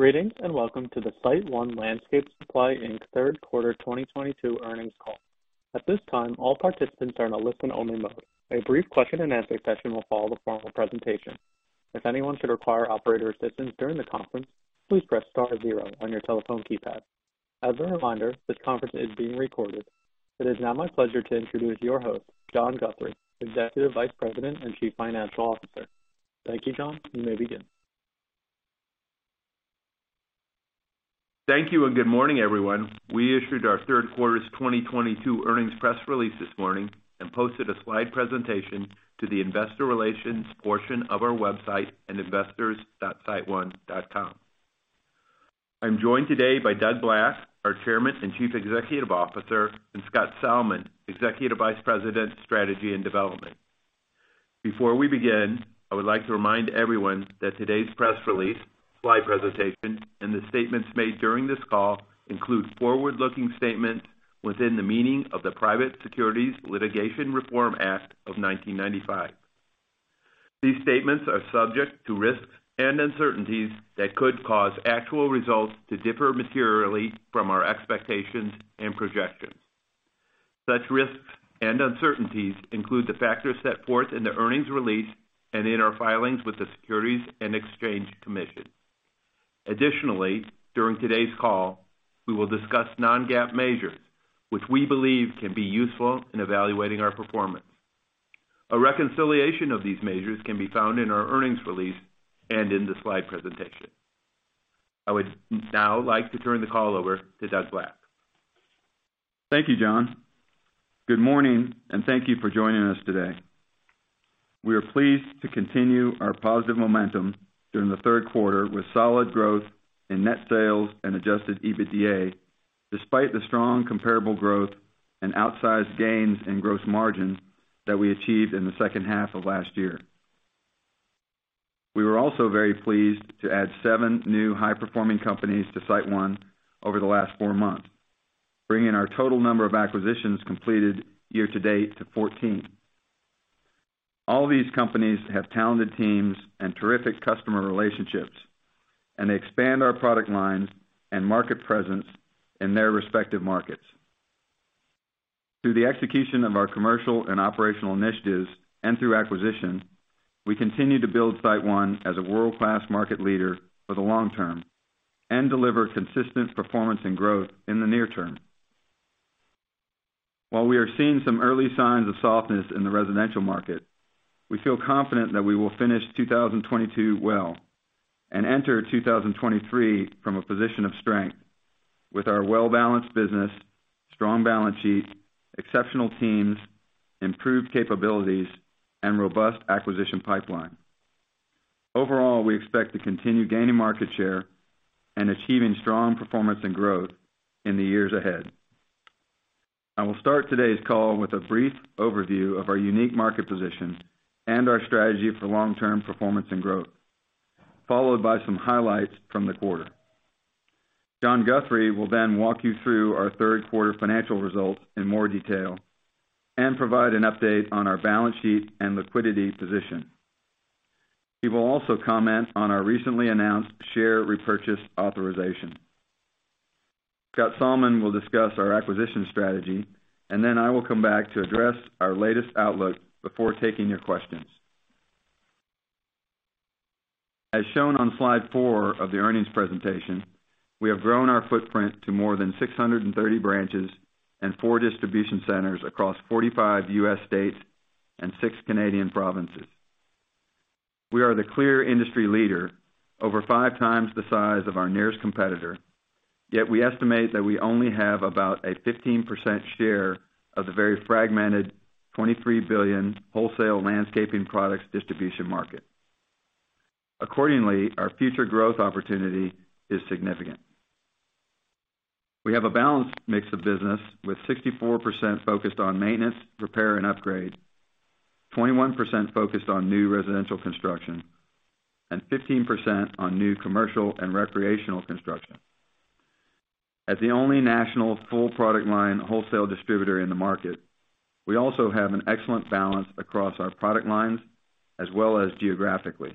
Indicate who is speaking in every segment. Speaker 1: Greetings, and welcome to the SiteOne Landscape Supply, Inc's third quarter 2022 earnings call. At this time, all participants are in a listen-only mode. A brief question and answer session will follow the formal presentation. If anyone should require operator assistance during the conference, please press star zero on your telephone keypad. As a reminder, this conference is being recorded. It is now my pleasure to introduce your host, John Guthrie, Executive Vice President and Chief Financial Officer. Thank you, John. You may begin.
Speaker 2: Thank you, and good morning, everyone. We issued our third quarter's 2022 earnings press release this morning and posted a slide presentation to the Investor Relations portion of our website at investors.siteone.com. I'm joined today by Doug Black, our Chairman and Chief Executive Officer, and Scott Salmon, Executive Vice President, Strategy and Development. Before we begin, I would like to remind everyone that today's press release, slide presentation, and the statements made during this call include forward-looking statements within the meaning of the Private Securities Litigation Reform Act of 1995. These statements are subject to risks and uncertainties that could cause actual results to differ materially from our expectations and projections. Such risks and uncertainties include the factors set forth in the earnings release and in our filings with the Securities and Exchange Commission. Additionally, during today's call, we will discuss non-GAAP measures, which we believe can be useful in evaluating our performance. A reconciliation of these measures can be found in our earnings release and in the slide presentation. I would now like to turn the call over to Doug Black.
Speaker 3: Thank you, John. Good morning, and thank you for joining us today. We are pleased to continue our positive momentum during the third quarter with solid growth in net sales and Adjusted EBITDA, despite the strong comparable growth and outsized gains in gross margins that we achieved in the second half of last year. We were also very pleased to add seven new high-performing companies to SiteOne over the last four months, bringing our total number of acquisitions completed year-to-date to 14. All these companies have talented teams and terrific customer relationships, and they expand our product lines and market presence in their respective markets. Through the execution of our commercial and operational initiatives and through acquisition, we continue to build SiteOne as a world-class market leader for the long-term and deliver consistent performance and growth in the near term. While we are seeing some early signs of softness in the residential market, we feel confident that we will finish 2022 well and enter 2023 from a position of strength with our well-balanced business, strong balance sheet, exceptional teams, improved capabilities, and robust acquisition pipeline. Overall, we expect to continue gaining market share and achieving strong performance and growth in the years ahead. I will start today's call with a brief overview of our unique market position and our strategy for long-term performance and growth, followed by some highlights from the quarter. John Guthrie will then walk you through our third quarter financial results in more detail and provide an update on our balance sheet and liquidity position. He will also comment on our recently announced share repurchase authorization. Scott Salmon will discuss our acquisition strategy, and then I will come back to address our latest outlook before taking your questions. As shown on slide four of the earnings presentation, we have grown our footprint to more than 630 branches and four distribution centers across 45 U.S. states and six Canadian provinces. We are the clear industry leader, over five times the size of our nearest competitor, yet we estimate that we only have about a 15% share of the very fragmented $23 billion wholesale landscaping products distribution market. Accordingly, our future growth opportunity is significant. We have a balanced mix of business with 64% focused on maintenance, repair, and upgrade, 21% focused on new residential construction, and 15% on new commercial and recreational construction. As the only national full product line wholesale distributor in the market, we also have an excellent balance across our product lines as well as geographically.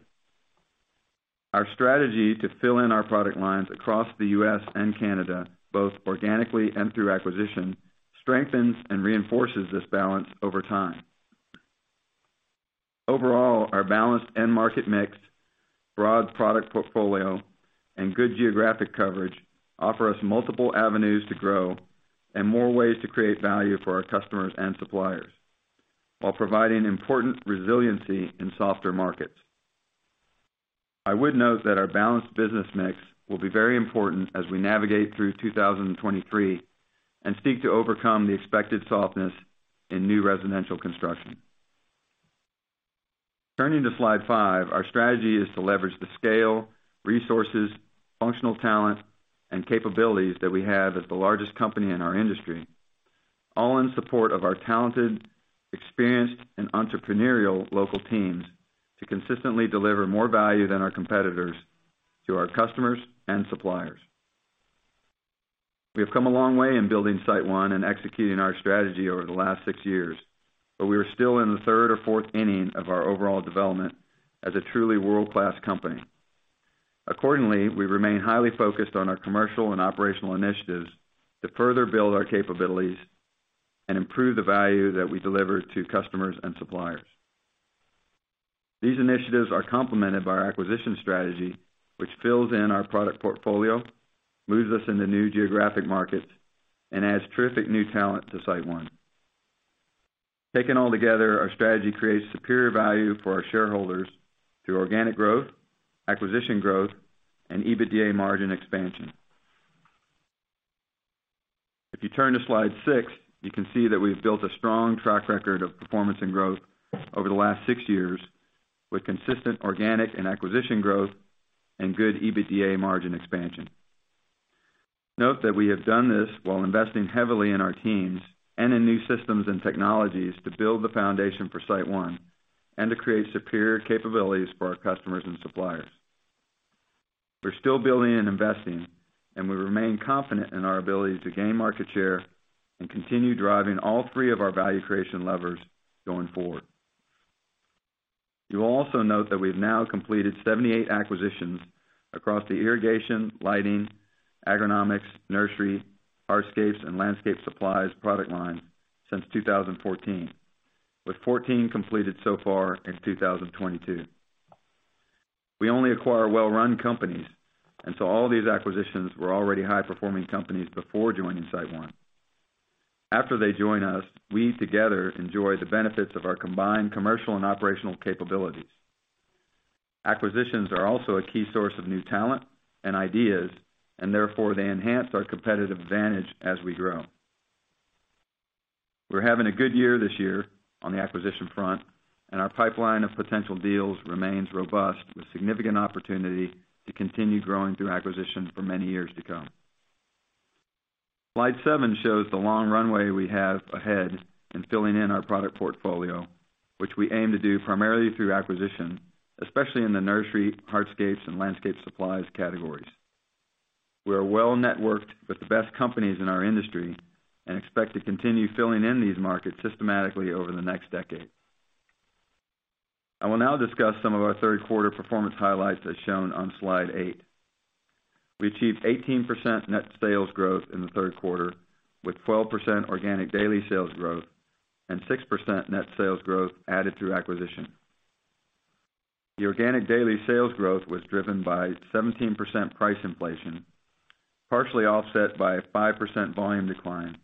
Speaker 3: Our strategy to fill in our product lines across the U.S. and Canada, both organically and through acquisition, strengthens and reinforces this balance over time. Overall, our balanced end market mix, broad product portfolio, and good geographic coverage offer us multiple avenues to grow and more ways to create value for our customers and suppliers while providing important resiliency in softer markets. I would note that our balanced business mix will be very important as we navigate through 2023 and seek to overcome the expected softness in new residential construction. Turning to slide five, our strategy is to leverage the scale, resources, functional talent, and capabilities that we have as the largest company in our industry, all in support of our talented, experienced, and entrepreneurial local teams to consistently deliver more value than our competitors to our customers and suppliers. We have come a long way in building SiteOne and executing our strategy over the last six years, but we are still in the third or fourth inning of our overall development as a truly world-class company. Accordingly, we remain highly focused on our commercial and operational initiatives to further build our capabilities and improve the value that we deliver to customers and suppliers. These initiatives are complemented by our acquisition strategy, which fills in our product portfolio, moves us into new geographic markets, and adds terrific new talent to SiteOne. Taken all together, our strategy creates superior value for our shareholders through organic growth, acquisition growth, and EBITDA margin expansion. If you turn to slide six, you can see that we've built a strong track record of performance and growth over the last six years, with consistent organic and acquisition growth and good EBITDA margin expansion. Note that we have done this while investing heavily in our teams and in new systems and technologies to build the foundation for SiteOne and to create superior capabilities for our customers and suppliers. We're still building and investing, and we remain confident in our ability to gain market share and continue driving all three of our value creation levers going forward. You will also note that we've now completed 78 acquisitions across the irrigation, lighting, agronomic, nursery, hardscapes, and landscape supplies product line since 2014, with 14 completed so far in 2022. We only acquire well-run companies, and so all these acquisitions were already high-performing companies before joining SiteOne. After they join us, we together enjoy the benefits of our combined commercial and operational capabilities. Acquisitions are also a key source of new talent and ideas, and therefore, they enhance our competitive advantage as we grow. We're having a good year this year on the acquisition front, and our pipeline of potential deals remains robust, with significant opportunity to continue growing through acquisition for many years to come. Slide seven shows the long runway we have ahead in filling in our product portfolio, which we aim to do primarily through acquisition, especially in the nursery, hardscapes, and landscape supplies categories. We are well-networked with the best companies in our industry and expect to continue filling in these markets systematically over the next decade. I will now discuss some of our third quarter performance highlights, as shown on slide eight. We achieved 18% net sales growth in the third quarter, with 12% organic daily sales growth and 6% net sales growth added through acquisition. The organic daily sales growth was driven by 17% price inflation, partially offset by a 5% volume decline,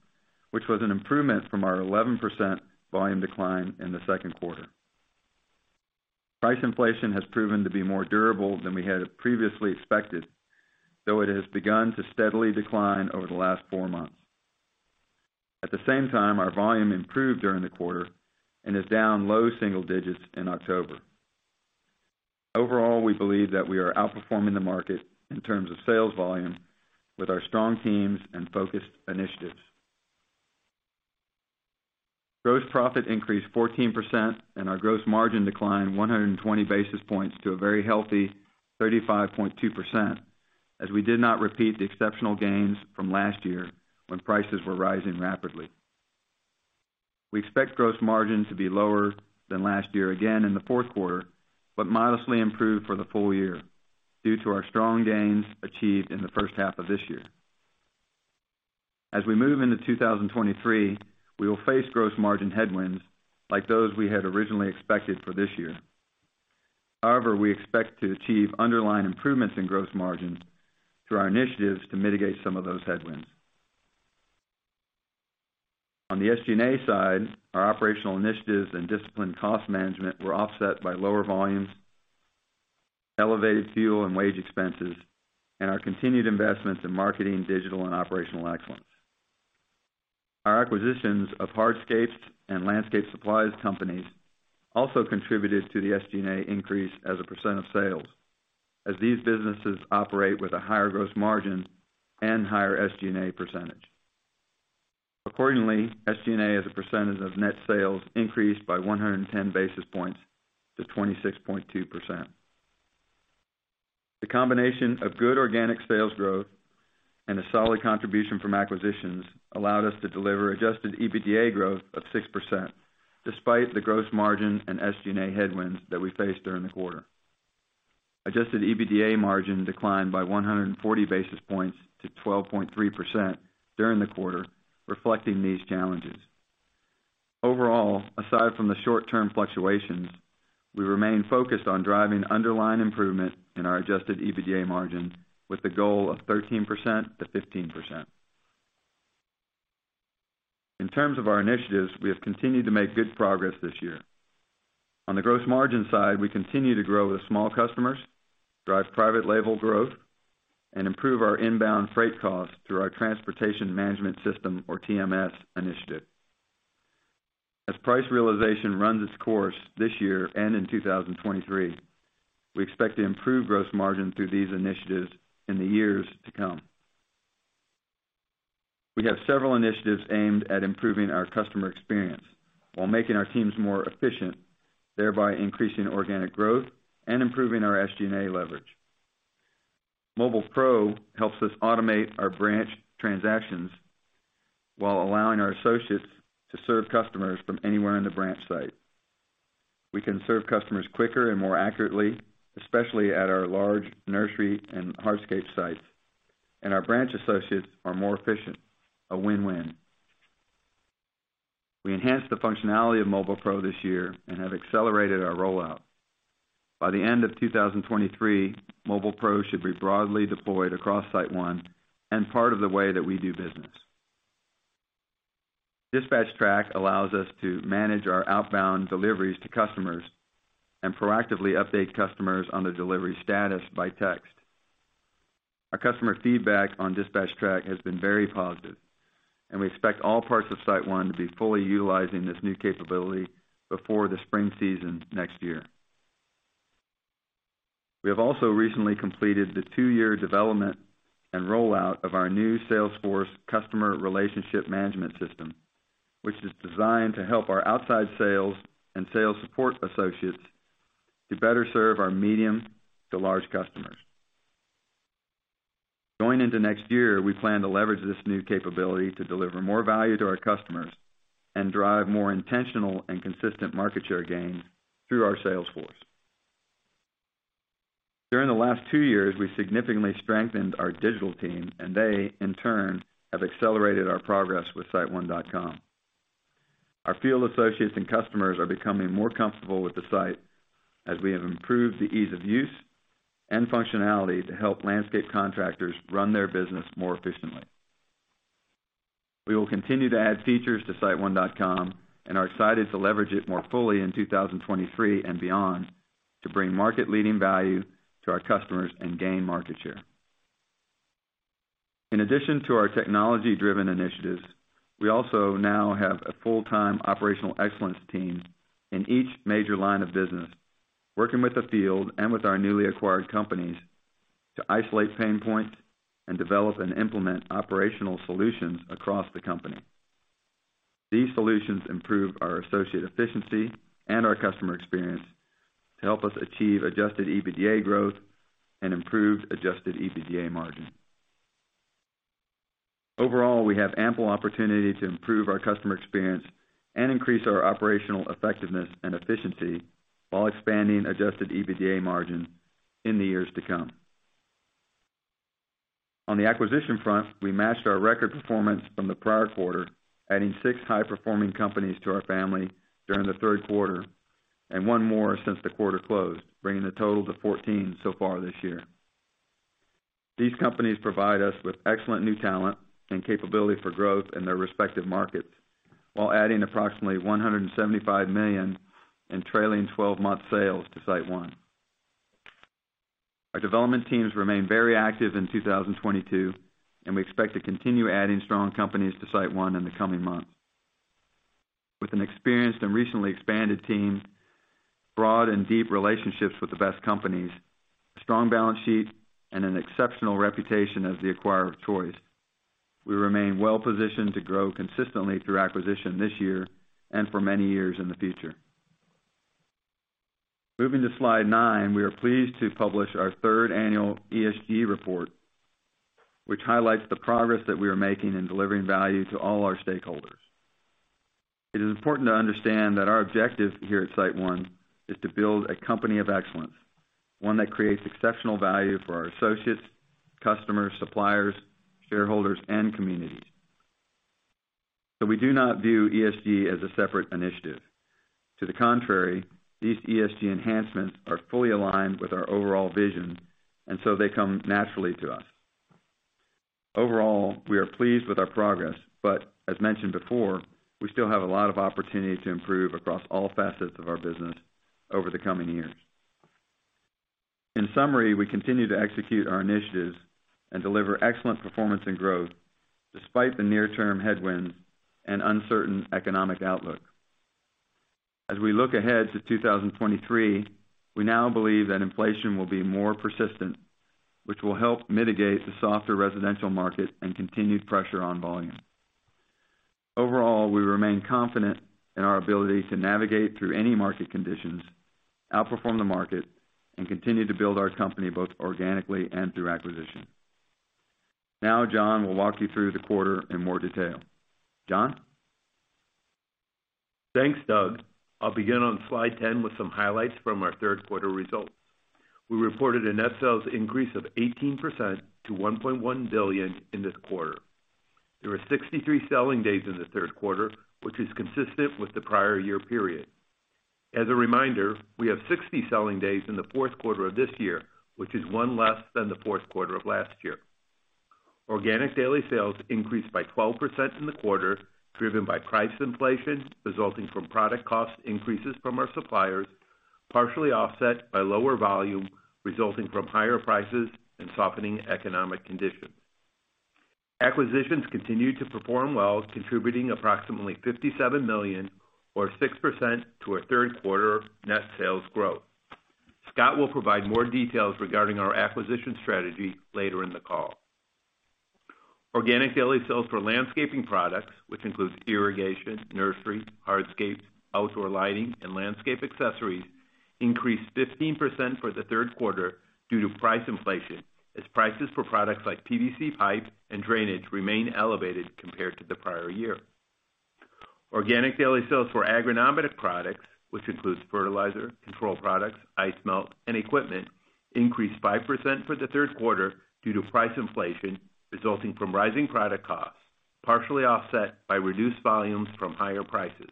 Speaker 3: which was an improvement from our 11% volume decline in the second quarter. Price inflation has proven to be more durable than we had previously expected, though it has begun to steadily decline over the last four months. At the same time, our volume improved during the quarter and is down low single digits in October. Overall, we believe that we are outperforming the market in terms of sales volume with our strong teams and focused initiatives. Gross profit increased 14% and our gross margin declined 120 basis points to a very healthy 35.2%, as we did not repeat the exceptional gains from last year when prices were rising rapidly. We expect gross margin to be lower than last year again in the fourth quarter, but modestly improve for the full year due to our strong gains achieved in the first half of this year. As we move into 2023, we will face gross margin headwinds like those we had originally expected for this year. However, we expect to achieve underlying improvements in gross margins through our initiatives to mitigate some of those headwinds. On the SG&A side, our operational initiatives and disciplined cost management were offset by lower volumes, elevated fuel and wage expenses, and our continued investments in marketing, digital, and operational excellence. Our acquisitions of hardscapes and landscape supplies companies also contributed to the SG&A increase as a percent of sales, as these businesses operate with a higher gross margin and higher SG&A percentage. Accordingly, SG&A as a percentage of net sales increased by 110 basis points to 26.2%. The combination of good organic sales growth and a solid contribution from acquisitions allowed us to deliver Adjusted EBITDA growth of 6%, despite the gross margin and SG&A headwinds that we faced during the quarter. Adjusted EBITDA margin declined by 140 basis points to 12.3% during the quarter, reflecting these challenges. Overall, aside from the short-term fluctuations, we remain focused on driving underlying improvement in our Adjusted EBITDA margin with the goal of 13%-15%. In terms of our initiatives, we have continued to make good progress this year. On the gross margin side, we continue to grow with small customers, drive private label growth, and improve our inbound freight costs through our transportation management system or TMS initiative. As price realization runs its course this year and in 2023, we expect to improve gross margin through these initiatives in the years to come. We have several initiatives aimed at improving our customer experience while making our teams more efficient. Thereby increasing organic growth and improving our SG&A leverage. MobilePro helps us automate our branch transactions while allowing our associates to serve customers from anywhere in the branch site. We can serve customers quicker and more accurately, especially at our large nursery and hardscape sites, and our branch associates are more efficient. A win-win. We enhanced the functionality of MobilePro this year and have accelerated our rollout. By the end of 2023, MobilePro should be broadly deployed across SiteOne and part of the way that we do business. DispatchTrack allows us to manage our outbound deliveries to customers and proactively update customers on the delivery status by text. Our customer feedback on DispatchTrack has been very positive, and we expect all parts of SiteOne to be fully utilizing this new capability before the spring season next year. We have also recently completed the two-year development and rollout of our new Salesforce customer relationship management system, which is designed to help our outside sales and sales support associates to better serve our medium to large customers. Going into next year, we plan to leverage this new capability to deliver more value to our customers and drive more intentional and consistent market share gains through our sales force. During the last two years, we significantly strengthened our digital team and they, in turn, have accelerated our progress with SiteOne.com. Our field associates and customers are becoming more comfortable with the site as we have improved the ease of use and functionality to help landscape contractors run their business more efficiently. We will continue to add features to SiteOne.com and are excited to leverage it more fully in 2023 and beyond to bring market leading value to our customers and gain market share. In addition to our technology driven initiatives, we also now have a full-time operational excellence team in each major line of business, working with the field and with our newly acquired companies to isolate pain points and develop and implement operational solutions across the company. These solutions improve our associate efficiency and our customer experience to help us achieve Adjusted EBITDA growth and improved Adjusted EBITDA margin. Overall, we have ample opportunity to improve our customer experience and increase our operational effectiveness and efficiency while expanding Adjusted EBITDA margin in the years to come. On the acquisition front, we matched our record performance from the prior quarter, adding six high-performing companies to our family during the third quarter and one more since the quarter closed, bringing the total to 14 so far this year. These companies provide us with excellent new talent and capability for growth in their respective markets while adding approximately $175 million in trailing 12-month sales to SiteOne. Our development teams remain very active in 2022, and we expect to continue adding strong companies to SiteOne in the coming months. With an experienced and recently expanded team, broad and deep relationships with the best companies, strong balance sheet, and an exceptional reputation as the acquirer of choice, we remain well positioned to grow consistently through acquisition this year and for many years in the future. Moving to slide nine, we are pleased to publish our third annual ESG report, which highlights the progress that we are making in delivering value to all our stakeholders. It is important to understand that our objective here at SiteOne is to build a company of excellence, one that creates exceptional value for our associates, customers, suppliers, shareholders, and communities. We do not view ESG as a separate initiative. To the contrary, these ESG enhancements are fully aligned with our overall vision, and so they come naturally to us. Overall, we are pleased with our progress, but as mentioned before, we still have a lot of opportunity to improve across all facets of our business over the coming years. In summary, we continue to execute our initiatives and deliver excellent performance and growth despite the near term headwinds and uncertain economic outlook. As we look ahead to 2023, we now believe that inflation will be more persistent, which will help mitigate the softer residential market and continued pressure on volume. Overall, we remain confident in our ability to navigate through any market conditions, outperform the market, and continue to build our company both organically and through acquisition. Now, John will walk you through the quarter in more detail. John?
Speaker 2: Thanks, Doug. I'll begin on slide 10 with some highlights from our third quarter results. We reported a net sales increase of 18% to $1.1 billion in this quarter. There were 63 selling days in the third quarter, which is consistent with the prior year period. As a reminder, we have 60 selling days in the fourth quarter of this year, which is 1 less than the fourth quarter of last year. Organic daily sales increased by 12% in the quarter, driven by price inflation resulting from product cost increases from our suppliers, partially offset by lower volume resulting from higher prices and softening economic conditions. Acquisitions continued to perform well, contributing approximately $57 million or 6% to our third quarter net sales growth. Scott will provide more details regarding our acquisition strategy later in the call. Organic daily sales for landscaping products, which includes irrigation, nursery, hardscapes, outdoor lighting, and landscape accessories, increased 15% for the third quarter due to price inflation, as prices for products like PVC pipe and drainage remain elevated compared to the prior year. Organic daily sales for agronomic products, which includes fertilizer, control products, ice melt, and equipment, increased 5% for the third quarter due to price inflation resulting from rising product costs, partially offset by reduced volumes from higher prices.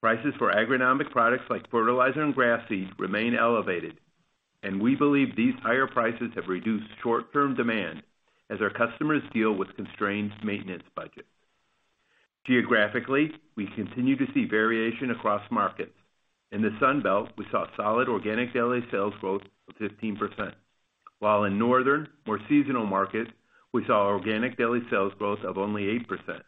Speaker 2: Prices for agronomic products like fertilizer and grass seed remain elevated, and we believe these higher prices have reduced short-term demand as our customers deal with constrained maintenance budgets. Geographically, we continue to see variation across markets. In the Sun Belt, we saw solid organic daily sales growth of 15%, while in northern, more seasonal markets, we saw organic daily sales growth of only 8%.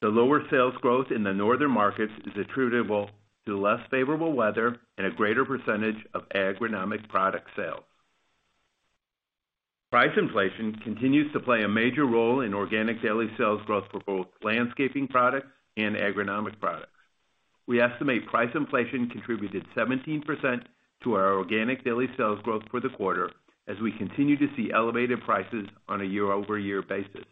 Speaker 2: The lower sales growth in the northern markets is attributable to less favorable weather and a greater percentage of agronomic product sales. Price inflation continues to play a major role in organic daily sales growth for both landscaping products and agronomic products. We estimate price inflation contributed 17% to our organic daily sales growth for the quarter as we continue to see elevated prices on a year-over-year basis.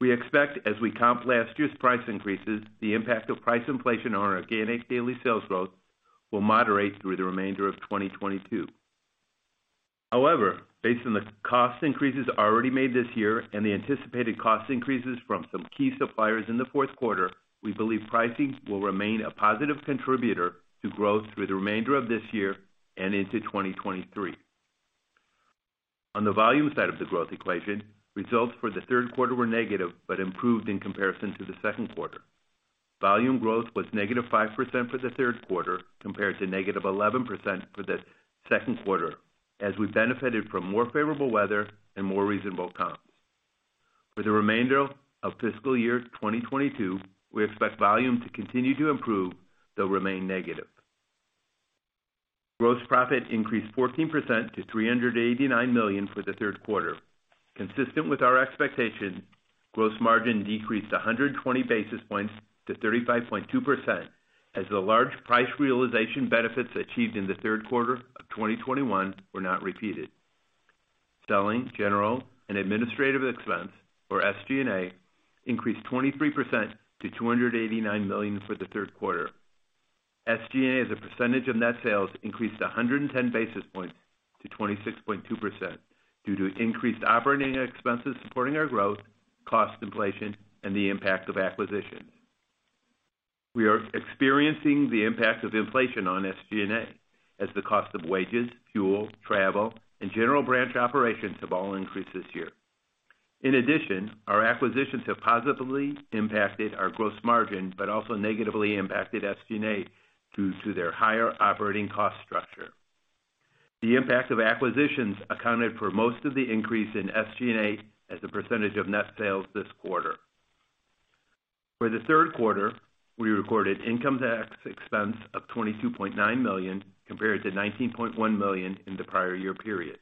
Speaker 2: We expect as we comp last year's price increases, the impact of price inflation on our organic daily sales growth will moderate through the remainder of 2022. However, based on the cost increases already made this year and the anticipated cost increases from some key suppliers in the fourth quarter, we believe pricing will remain a positive contributor to growth through the remainder of this year and into 2023. On the volume side of the growth equation, results for the third quarter were negative but improved in comparison to the second quarter. Volume growth was -5% for the third quarter compared to -11% for the second quarter, as we benefited from more favorable weather and more reasonable comps. For the remainder of fiscal year 2022, we expect volume to continue to improve, though remain negative. Gross profit increased 14% to $389 million for the third quarter. Consistent with our expectations, gross margin decreased 120 basis points to 35.2% as the large price realization benefits achieved in the third quarter of 2021 were not repeated. Selling, general, and administrative expense, or SG&A, increased 23% to $289 million for the third quarter. SG&A as a percentage of net sales increased 110 basis points to 26.2% due to increased operating expenses supporting our growth, cost inflation, and the impact of acquisitions. We are experiencing the impact of inflation on SG&A as the cost of wages, fuel, travel, and general branch operations have all increased this year. In addition, our acquisitions have positively impacted our gross margin, but also negatively impacted SG&A due to their higher operating cost structure. The impact of acquisitions accounted for most of the increase in SG&A as a percentage of net sales this quarter. For the third quarter, we recorded income tax expense of $22.9 million, compared to $19.1 million in the prior year period.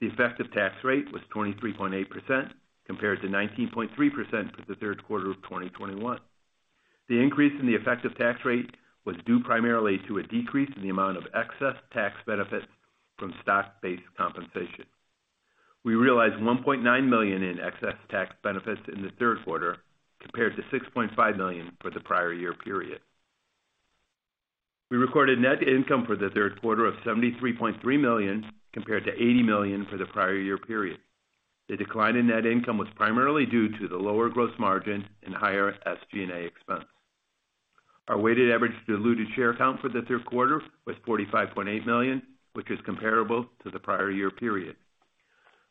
Speaker 2: The effective tax rate was 23.8%, compared to 19.3% for the third quarter of 2021. The increase in the effective tax rate was due primarily to a decrease in the amount of excess tax benefits from stock-based compensation. We realized $1.9 million in excess tax benefits in the third quarter, compared to $6.5 million for the prior year period. We recorded net income for the third quarter of $73.3 million, compared to $80 million for the prior year period. The decline in net income was primarily due to the lower gross margin and higher SG&A expense. Our weighted average diluted share count for the third quarter was 45.8 million, which is comparable to the prior year period.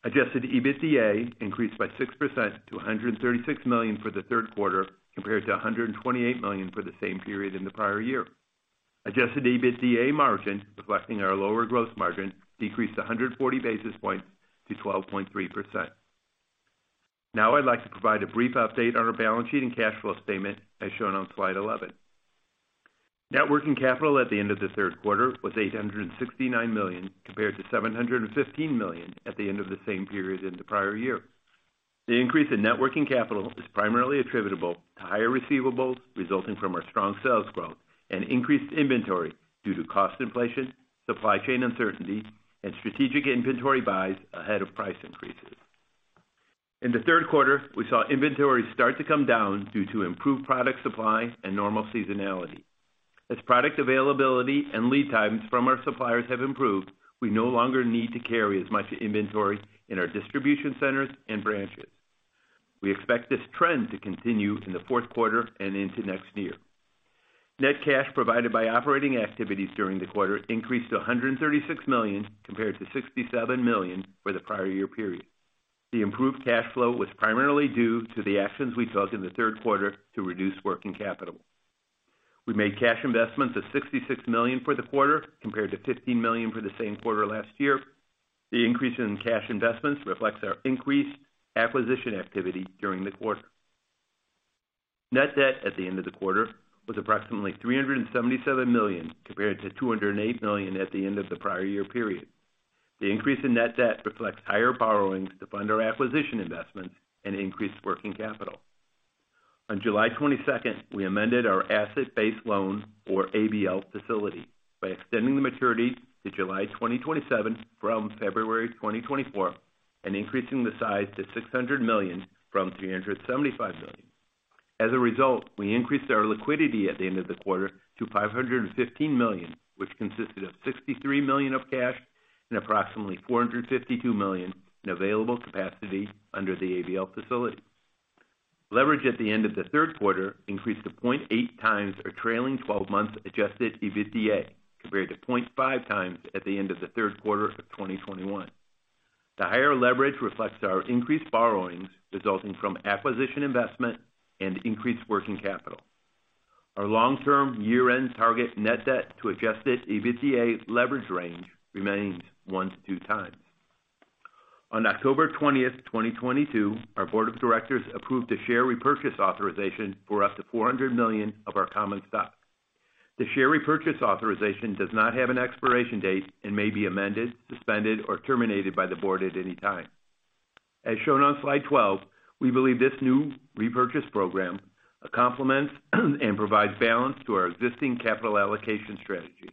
Speaker 2: Adjusted EBITDA increased by 6% to $136 million for the third quarter, compared to $128 million for the same period in the prior year. Adjusted EBITDA margin, reflecting our lower gross margin, decreased 140 basis points to 12.3%. Now I'd like to provide a brief update on our balance sheet and cash flow statement, as shown on slide 11. Net working capital at the end of the third quarter was $869 million, compared to $715 million at the end of the same period in the prior year. The increase in net working capital is primarily attributable to higher receivables resulting from our strong sales growth and increased inventory due to cost inflation, supply chain uncertainty, and strategic inventory buys ahead of price increases. In the third quarter, we saw inventory start to come down due to improved product supply and normal seasonality. As product availability and lead times from our suppliers have improved, we no longer need to carry as much inventory in our distribution centers and branches. We expect this trend to continue in the fourth quarter and into next year. Net cash provided by operating activities during the quarter increased to $136 million, compared to $67 million for the prior year period. The improved cash flow was primarily due to the actions we took in the third quarter to reduce working capital. We made cash investments of $66 million for the quarter, compared to $15 million for the same quarter last year. The increase in cash investments reflects our increased acquisition activity during the quarter. Net debt at the end of the quarter was approximately $377 million compared to $208 million at the end of the prior year period. The increase in net debt reflects higher borrowings to fund our acquisition investments and increased working capital. On July 22nd, we amended our asset-based loan or ABL facility by extending the maturity to July 2027 from February 2024 and increasing the size to $600 million from $375 million. As a result, we increased our liquidity at the end of the quarter to $515 million, which consisted of $63 million of cash and approximately $452 million in available capacity under the ABL facility. Leverage at the end of the third quarter increased to 0.8x our trailing 12-month Adjusted EBITDA, compared to 0.5x at the end of the third quarter of 2021. The higher leverage reflects our increased borrowings resulting from acquisition investment and increased working capital. Our long-term year-end target net debt to Adjusted EBITDA leverage range remains 1x-2x. On October 20th, 2022, our Board of Directors approved a share repurchase authorization for up to $400 million of our common stock. The share repurchase authorization does not have an expiration date and may be amended, suspended, or terminated by the Board at any time. As shown on slide 12, we believe this new repurchase program complements and provides balance to our existing capital allocation strategy.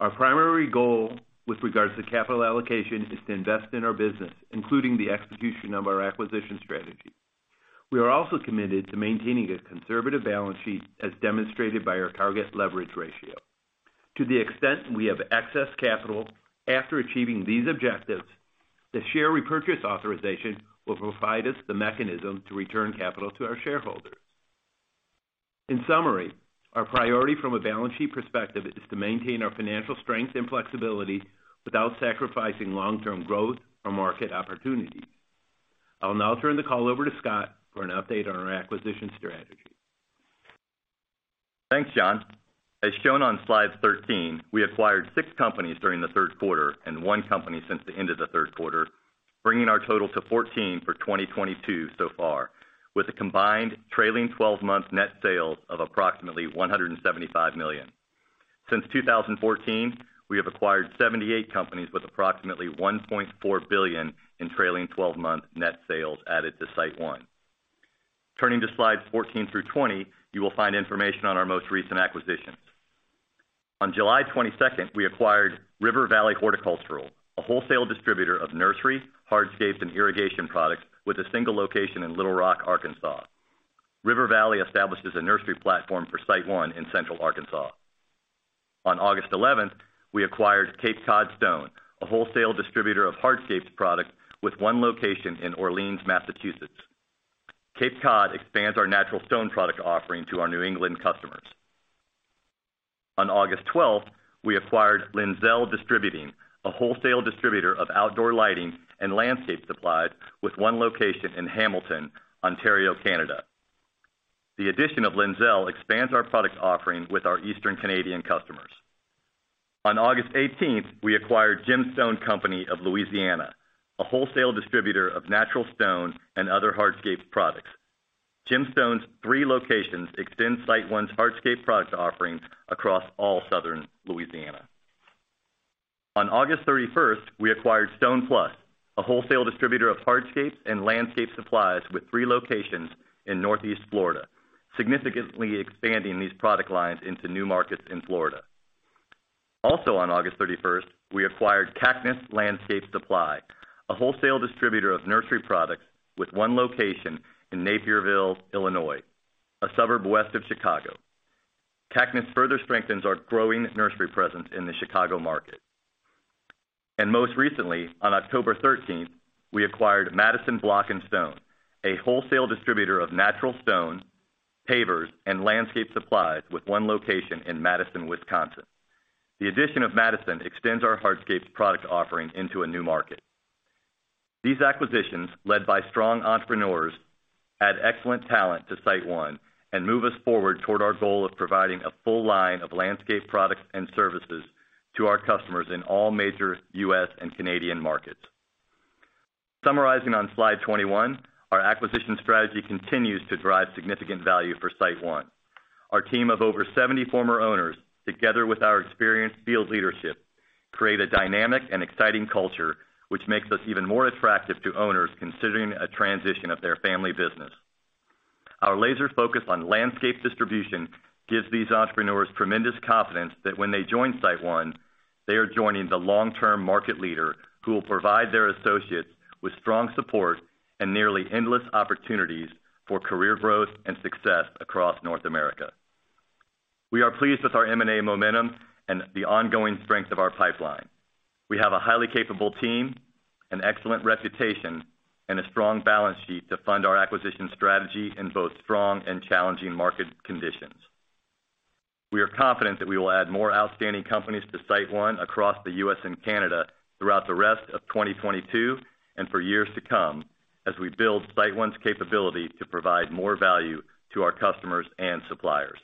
Speaker 2: Our primary goal with regards to capital allocation is to invest in our business, including the execution of our acquisition strategy. We are also committed to maintaining a conservative balance sheet as demonstrated by our target leverage ratio. To the extent we have excess capital after achieving these objectives, the share repurchase authorization will provide us the mechanism to return capital to our shareholders. In summary, our priority from a balance sheet perspective is to maintain our financial strength and flexibility without sacrificing long-term growth or market opportunities. I'll now turn the call over to Scott for an update on our acquisition strategy.
Speaker 4: Thanks, John. As shown on slide 13, we acquired six companies during the third quarter and one company since the end of the third quarter, bringing our total to 14 for 2022 so far, with a combined trailing 12-month net sales of approximately $175 million. Since 2014, we have acquired 78 companies with approximately $1.4 billion in trailing 12-month net sales added to SiteOne. Turning to slides 14 through 20, you will find information on our most recent acquisitions. On July 22nd, we acquired River Valley Horticultural Products, a wholesale distributor of nursery, hardscapes, and irrigation products, with a single location in Little Rock, Arkansas. River Valley establishes a nursery platform for SiteOne in central Arkansas. On August 11th, we acquired Cape Cod Stone, a wholesale distributor of hardscapes products with one location in Orleans, Massachusetts. Cape Cod Stone expands our natural stone product offering to our New England customers. On August twelfth, we acquired Linzel Distributing, a wholesale distributor of outdoor lighting and landscape supplies with one location in Hamilton, Ontario, Canada. The addition of Linzel expands our product offering with our Eastern Canadian customers. On August eighteenth, we acquired Jim Stone Company of Louisiana, a wholesale distributor of natural stone and other hardscapes products. Jim Stone's three locations extend SiteOne's hardscape product offerings across all Southern Louisiana. On August 31st, we acquired Stone Plus, a wholesale distributor of hardscape and landscape supplies with three locations in Northeast Florida, significantly expanding these product lines into new markets in Florida. Also on August 31st, we acquired Kaknes Landscape Supply, a wholesale distributor of nursery products with one location in Naperville, Illinois, a suburb west of Chicago. Kaknes further strengthens our growing nursery presence in the Chicago market. Most recently, on October 13th, we acquired Madison Block & Stone, a wholesale distributor of natural stone, pavers, and landscape supplies with one location in Madison, Wisconsin. The addition of Madison extends our hardscapes product offering into a new market. These acquisitions, led by strong entrepreneurs, add excellent talent to SiteOne and move us forward toward our goal of providing a full line of landscape products and services to our customers in all major U.S. and Canadian markets. Summarizing on slide 21, our acquisition strategy continues to drive significant value for SiteOne. Our team of over 70 former owners, together with our experienced field leadership, create a dynamic and exciting culture, which makes us even more attractive to owners considering a transition of their family business. Our laser focus on landscape distribution gives these entrepreneurs tremendous confidence that when they join SiteOne, they are joining the long-term market leader who will provide their associates with strong support and nearly endless opportunities for career growth and success across North America. We are pleased with our M&A momentum and the ongoing strength of our pipeline. We have a highly capable team, an excellent reputation, and a strong balance sheet to fund our acquisition strategy in both strong and challenging market conditions. We are confident that we will add more outstanding companies to SiteOne across the U.S. and Canada throughout the rest of 2022 and for years to come, as we build SiteOne's capability to provide more value to our customers and suppliers.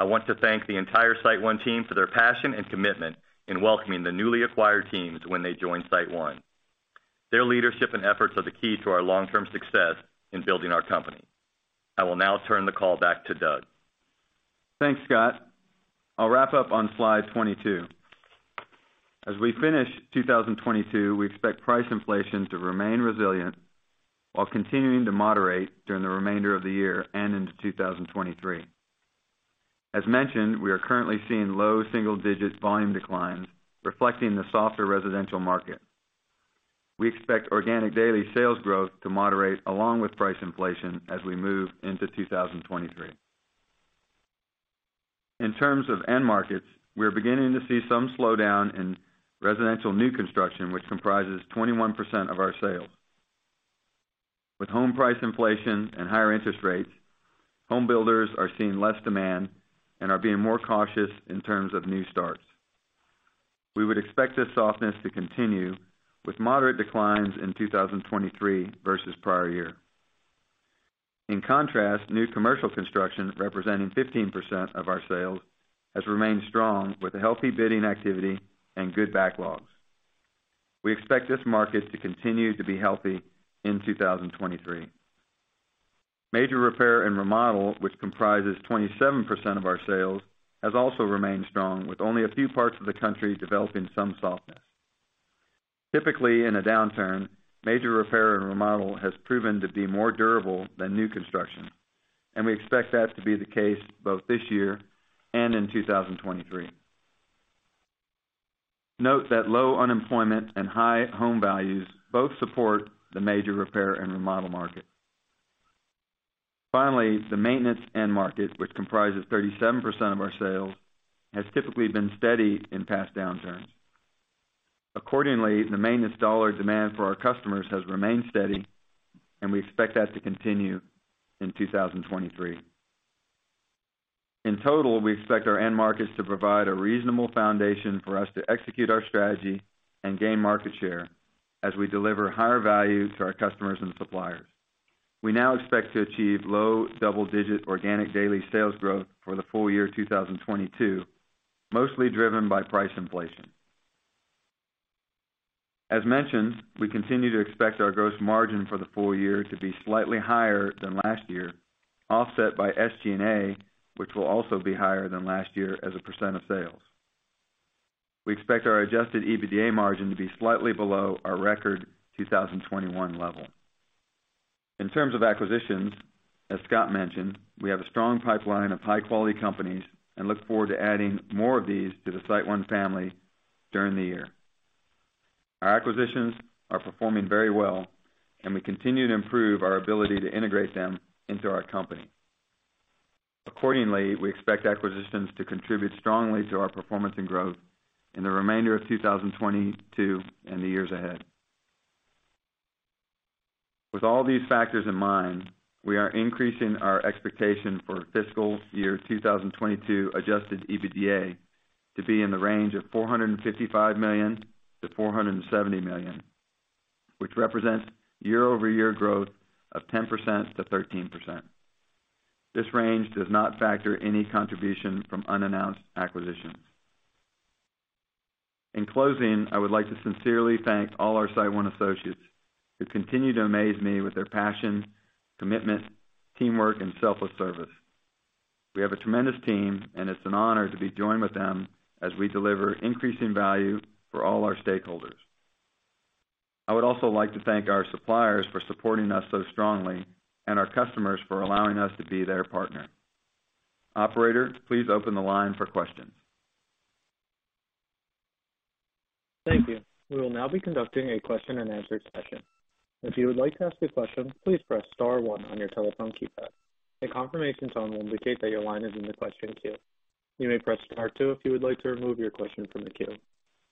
Speaker 4: I want to thank the entire SiteOne team for their passion and commitment in welcoming the newly acquired teams when they joined SiteOne. Their leadership and efforts are the key to our long-term success in building our company. I will now turn the call back to Doug.
Speaker 3: Thanks, Scott. I'll wrap up on slide 22. As we finish 2022, we expect price inflation to remain resilient while continuing to moderate during the remainder of the year and into 2023. As mentioned, we are currently seeing low single-digit volume declines reflecting the softer residential market. We expect organic daily sales growth to moderate along with price inflation as we move into 2023. In terms of end markets, we are beginning to see some slowdown in residential new construction, which comprises 21% of our sales. With home price inflation and higher interest rates, home builders are seeing less demand and are being more cautious in terms of new starts. We would expect this softness to continue with moderate declines in 2023 versus prior year. In contrast, new commercial construction, representing 15% of our sales, has remained strong with a healthy bidding activity and good backlogs. We expect this market to continue to be healthy in 2023. Major repair and remodel, which comprises 27% of our sales, has also remained strong, with only a few parts of the country developing some softness. Typically, in a downturn, major repair and remodel has proven to be more durable than new construction, and we expect that to be the case both this year and in 2023. Note that low unemployment and high home values both support the major repair and remodel market. Finally, the maintenance end market, which comprises 37% of our sales, has typically been steady in past downturns. Accordingly, the maintenance dollar demand for our customers has remained steady, and we expect that to continue in 2023. In total, we expect our end markets to provide a reasonable foundation for us to execute our strategy and gain market share as we deliver higher value to our customers and suppliers. We now expect to achieve low double-digit organic daily sales growth for the full year 2022, mostly driven by price inflation. As mentioned, we continue to expect our gross margin for the full year to be slightly higher than last year, offset by SG&A, which will also be higher than last year as a % of sales. We expect our Adjusted EBITDA margin to be slightly below our record 2021 level. In terms of acquisitions, as Scott mentioned, we have a strong pipeline of high-quality companies and look forward to adding more of these to the SiteOne family during the year. Our acquisitions are performing very well, and we continue to improve our ability to integrate them into our company. Accordingly, we expect acquisitions to contribute strongly to our performance and growth in the remainder of 2022 and the years ahead. With all these factors in mind, we are increasing our expectation for fiscal year 2022 Adjusted EBITDA to be in the range of $455 million-$470 million, which represents year-over-year growth of 10%-13%. This range does not factor any contribution from unannounced acquisitions. In closing, I would like to sincerely thank all our SiteOne associates who continue to amaze me with their passion, commitment, teamwork, and selfless service. We have a tremendous team, and it's an honor to be joined with them as we deliver increasing value for all our stakeholders. I would also like to thank our suppliers for supporting us so strongly and our customers for allowing us to be their partner. Operator, please open the line for questions.
Speaker 1: Thank you. We will now be conducting a question-and-answer session. If you would like to ask a question, please press star one on your telephone keypad. A confirmation tone will indicate that your line is in the question queue. You may press star two if you would like to remove your question from the queue.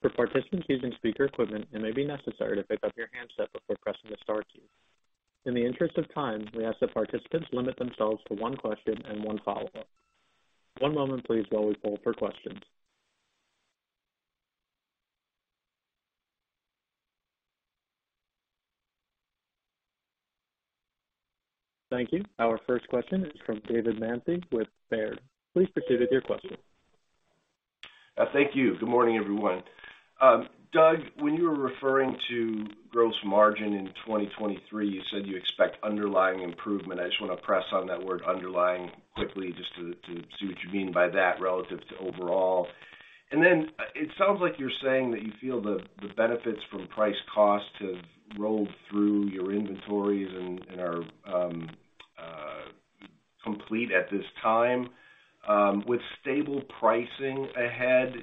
Speaker 1: For participants using speaker equipment, it may be necessary to pick up your handset before pressing the star key. In the interest of time, we ask that participants limit themselves to one question and one follow-up. One moment please while we poll for questions. Thank you. Our first question is from David Manthey with Baird. Please proceed with your question.
Speaker 5: Thank you. Good morning, everyone. Doug, when you were referring to gross margin in 2023, you said you expect underlying improvement. I just wanna press on that word underlying quickly just to see what you mean by that relative to overall. Then, it sounds like you're saying that you feel the benefits from price cost have rolled through your inventories and are complete at this time. With stable pricing ahead,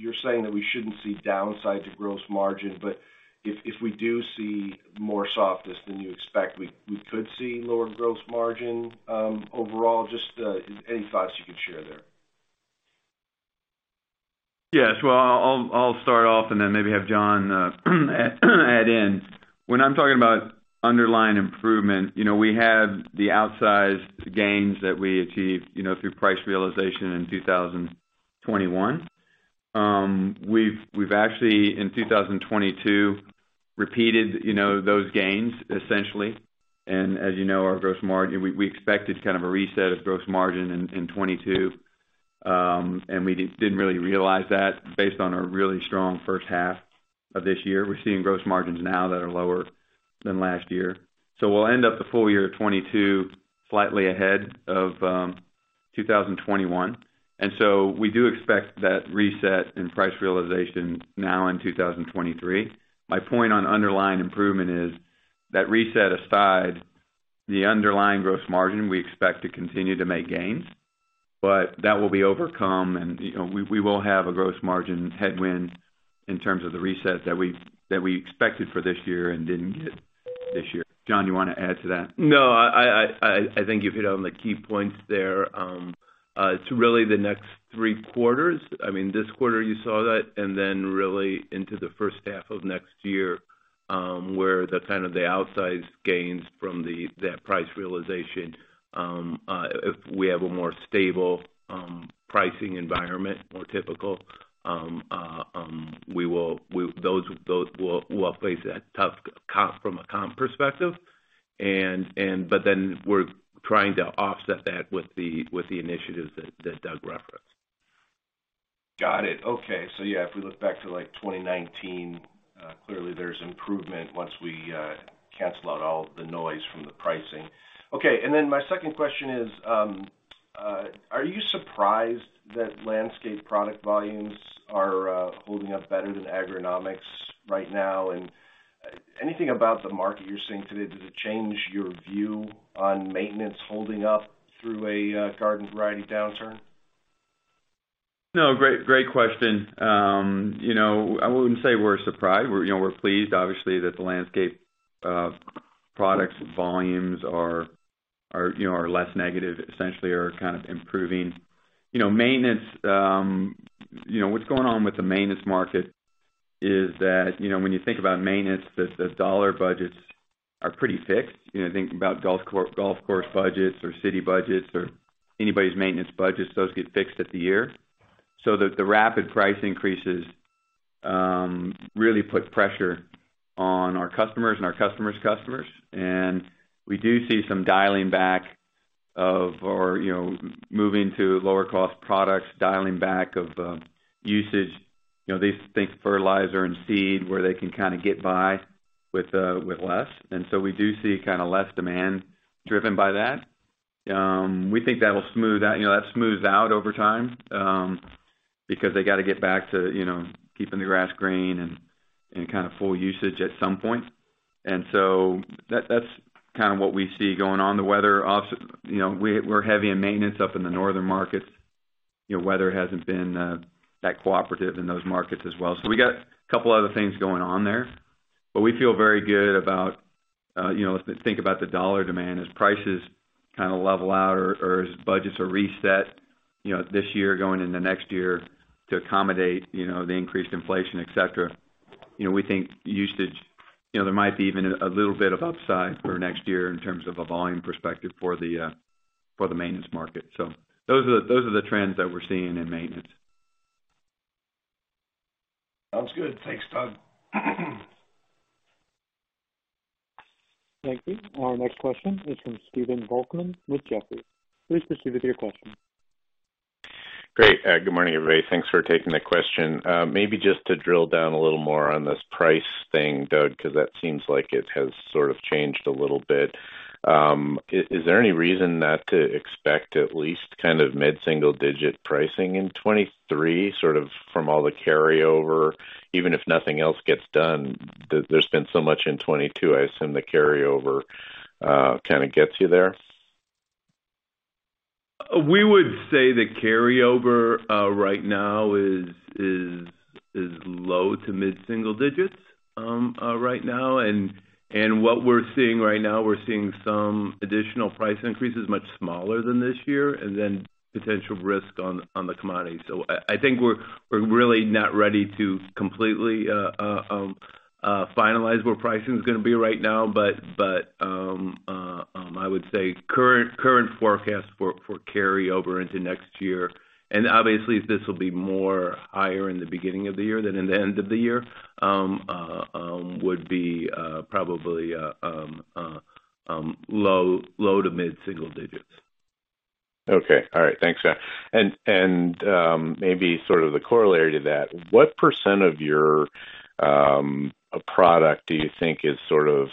Speaker 5: you're saying that we shouldn't see downside to gross margin, but if we do see more softness than you expect, we could see lower gross margin overall? Just any thoughts you can share there.
Speaker 3: Yes. Well, I'll start off and then maybe have John add in. When I'm talking about underlying improvement, you know, we have the outsized gains that we achieved, you know, through price realization in 2021. We've actually in 2022 repeated, you know, those gains essentially. As you know, our gross margin. We expected kind of a reset of gross margin in 2022, and we didn't really realize that based on our really strong first half of this year. We're seeing gross margins now that are lower than last year. We'll end up the full year of 2022 slightly ahead of 2021. We do expect that reset in price realization now in 2023. My point on underlying improvement is that reset aside, the underlying gross margin, we expect to continue to make gains, but that will be overcome and, you know, we will have a gross margin headwind in terms of the reset that we expected for this year and didn't get this year. John, you wanna add to that?
Speaker 2: No, I think you've hit on the key points there. It's really the next three quarters. I mean, this quarter you saw that, and then really into the first half of next year, where the kind of outsized gains from that price realization, if we have a more stable pricing environment, more typical, those will face a tough comp from a comp perspective. But then we're trying to offset that with the initiatives that Doug referenced.
Speaker 5: Got it. Okay. So yeah, if we look back to, like, 2019, clearly there's improvement once we cancel out all the noise from the pricing. Okay. My second question is, are you surprised that landscape product volumes are holding up better than agronomics right now? Anything about the market you're seeing today, does it change your view on maintenance holding up through a garden variety downturn?
Speaker 3: No, great question. You know, I wouldn't say we're surprised. We're, you know, we're pleased obviously that the landscape products volumes are, you know, are less negative, essentially are kind of improving. You know, maintenance, you know, what's going on with the maintenance market is that, you know, when you think about maintenance, the dollar budgets are pretty fixed. You know, think about golf course budgets or city budgets or anybody's maintenance budgets, those get fixed at the year. So the rapid price increases really put pressure on our customers and our customers' customers. We do see some dialing back of, or, you know, moving to lower cost products, dialing back of usage. You know, these things, fertilizer and seed, where they can kinda get by with less. We do see kinda less demand driven by that. We think that'll smooth out, you know, that smooths out over time, because they gotta get back to, you know, keeping the grass green and kind of full usage at some point. That's kinda what we see going on. The weather also, we're heavy in maintenance up in the northern markets. Weather hasn't been that cooperative in those markets as well. We got a couple other things going on there, but we feel very good about, you know, if they think about the dollar demand as prices kinda level out or as budgets are reset, you know, this year going into next year to accommodate, you know, the increased inflation, et cetera. You know, we think usage, you know, there might be even a little bit of upside for next year in terms of a volume perspective for the maintenance market. Those are the trends that we're seeing in maintenance.
Speaker 5: Sounds good. Thanks, Doug.
Speaker 1: Thank you. Our next question is from Stephen Volkmann with Jefferies. Please proceed with your question.
Speaker 6: Great. Good morning, everybody. Thanks for taking the question. Maybe just to drill down a little more on this price thing, Doug, 'cause that seems like it has sort of changed a little bit. Is there any reason not to expect at least kind of mid-single digit pricing in 2023, sort of from all the carryover, even if nothing else gets done? There's been so much in 2022. I assume the carryover kinda gets you there.
Speaker 2: We would say the carryover right now is low to mid-single digits right now. What we're seeing right now is some additional price increases much smaller than this year and then potential risk on the commodity. I think we're really not ready to completely finalize where pricing's gonna be right now, but I would say current forecast for carryover into next year, and obviously this will be more higher in the beginning of the year than in the end of the year, would be probably low to mid-single digits.
Speaker 6: Okay. All right. Thanks, John. Maybe sort of the corollary to that, what percent of your product do you think is sort of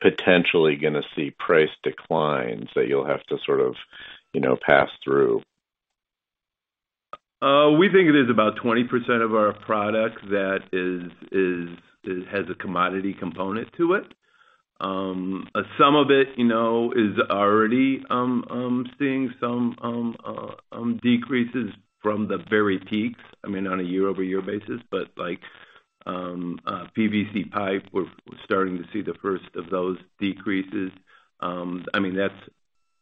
Speaker 6: potentially gonna see price declines that you'll have to sort of, you know, pass through?
Speaker 2: We think it is about 20% of our products that has a commodity component to it. Some of it, you know, is already seeing some decreases from the very peaks, I mean, on a year-over-year basis. Like, PVC pipe, we're starting to see the first of those decreases. I mean, that's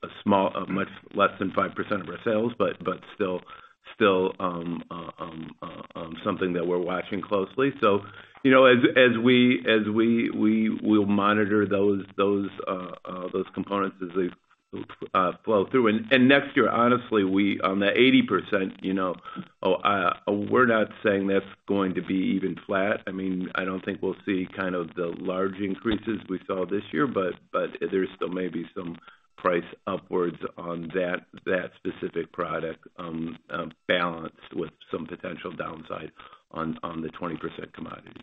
Speaker 2: a small, much less than 5% of our sales, but still. Something that we're watching closely. You know, as we will monitor those components as they flow through. Next year, honestly, we on the 80%, you know, we're not saying that's going to be even flat. I mean, I don't think we'll see kind of the large increases we saw this year, but there still may be some price upwards on that specific product, balanced with some potential downside on the 20% commodity.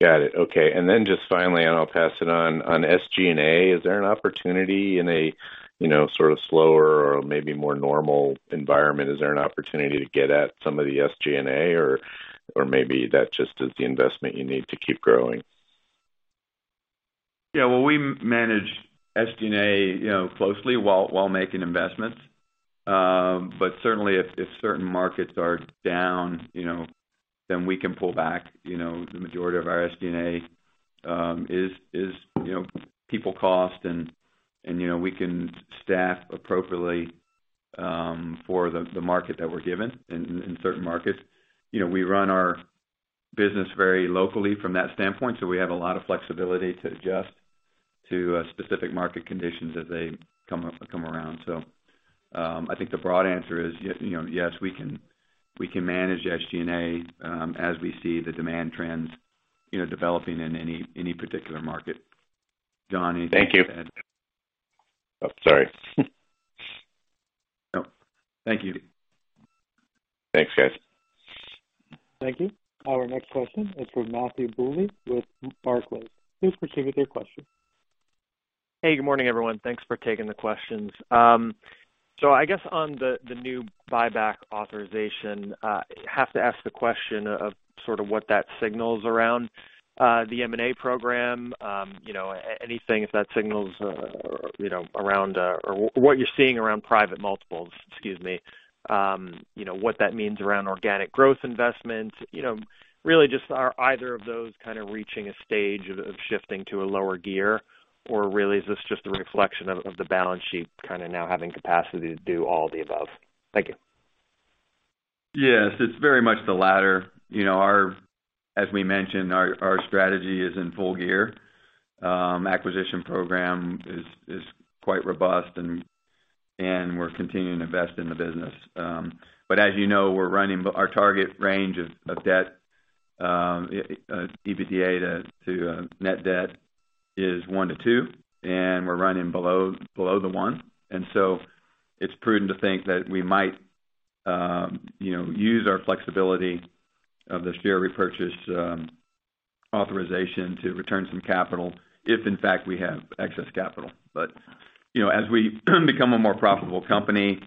Speaker 6: Got it. Okay. Just finally, and I'll pass it on SG&A, is there an opportunity in a, you know, sort of slower or maybe more normal environment, is there an opportunity to get at some of the SG&A or maybe that just is the investment you need to keep growing?
Speaker 3: Yeah. Well, we manage SG&A, you know, closely while making investments. Certainly if certain markets are down, you know, then we can pull back. You know, the majority of our SG&A is, you know, people cost and, you know, we can staff appropriately for the market that we're given in certain markets. You know, we run our business very locally from that standpoint, so we have a lot of flexibility to adjust to specific market conditions as they come around. I think the broad answer is you know, yes, we can manage SG&A as we see the demand trends, you know, developing in any particular market. John, anything to add?
Speaker 6: Thank you. Oh, sorry.
Speaker 2: No.
Speaker 3: Thank you.
Speaker 6: Thanks, guys.
Speaker 1: Thank you. Our next question is from Matthew Bouley with Barclays. Please proceed with your question.
Speaker 7: Hey, good morning, everyone. Thanks for taking the questions. So I guess on the new buyback authorization, have to ask the question of sort of what that signals around the M&A program, you know, anything if that signals, you know, around or what you're seeing around private multiples, excuse me. You know, what that means around organic growth investments. You know, really just are either of those kind of reaching a stage of shifting to a lower gear, or really is this just a reflection of the balance sheet kind of now having capacity to do all the above? Thank you.
Speaker 3: Yes, it's very much the latter. You know, as we mentioned, our strategy is in full gear. Our acquisition program is quite robust and we're continuing to invest in the business. But as you know, we're running below our target range of net debt to EBITDA is 1% to 2%, and we're running below the 1%. It's prudent to think that we might, you know, use our flexibility of the share repurchase authorization to return some capital if in fact we have excess capital. You know, as we become a more profitable company,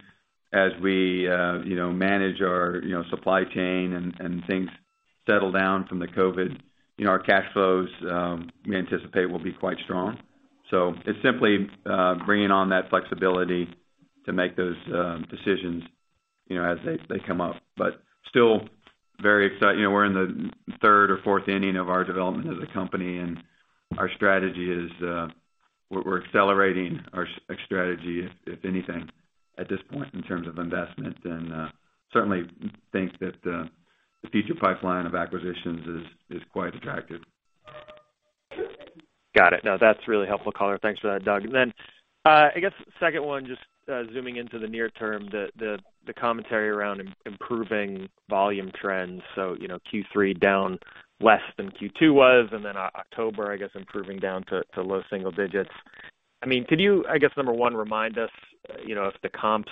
Speaker 3: as we, you know, manage our supply chain and things settle down from the COVID, you know, our cash flows we anticipate will be quite strong. It's simply bringing on that flexibility to make those decisions, you know, as they come up. Still very excited, you know, we're in the third or fourth inning of our development as a company, and our strategy is, we're accelerating our strategy if anything at this point in terms of investment. Certainly think that the future pipeline of acquisitions is quite attractive.
Speaker 7: Got it. No, that's really helpful color. Thanks for that, Doug. I guess second one, just zooming into the near term, the commentary around improving volume trends. You know, Q3 down less than Q2 was, and then October, I guess, improving down to low single digits. I mean, could you, I guess, number one, remind us, you know, if the comps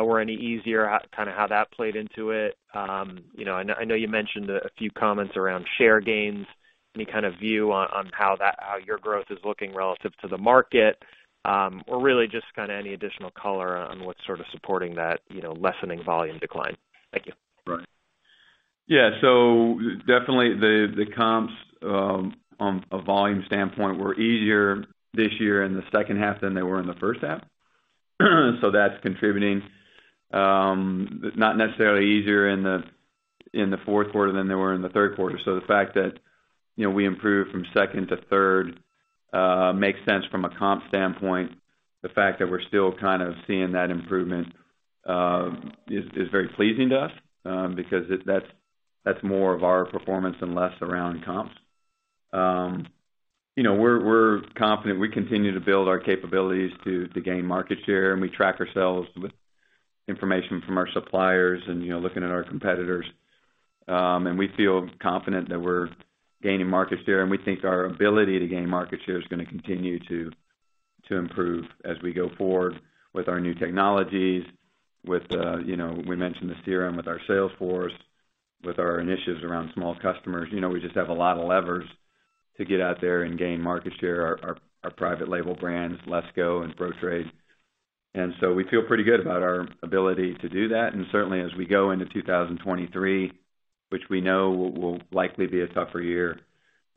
Speaker 7: were any easier, kind of how that played into it? You know, I know you mentioned a few comments around share gains. Any kind of view on how your growth is looking relative to the market? Really just kind of any additional color on what's sort of supporting that, you know, lessening volume decline. Thank you.
Speaker 3: Right. Yeah. Definitely the comps on a volume standpoint were easier this year in the second half than they were in the first half. That's contributing. It's not necessarily easier in the fourth quarter than they were in the third quarter. The fact that you know we improved from second to third makes sense from a comp standpoint. The fact that we're still kind of seeing that improvement is very pleasing to us because that's more of our performance and less around comps. You know, we're confident we continue to build our capabilities to gain market share, and we track ourselves with information from our suppliers and you know looking at our competitors. We feel confident that we're gaining market share, and we think our ability to gain market share is gonna continue to improve as we go forward with our new technologies, with, you know, we mentioned the CRM with our Salesforce, with our initiatives around small customers. You know, we just have a lot of levers to get out there and gain market share, our private label brands, LESCO and Pro-Trade. We feel pretty good about our ability to do that. Certainly, as we go into 2023, which we know will likely be a tougher year,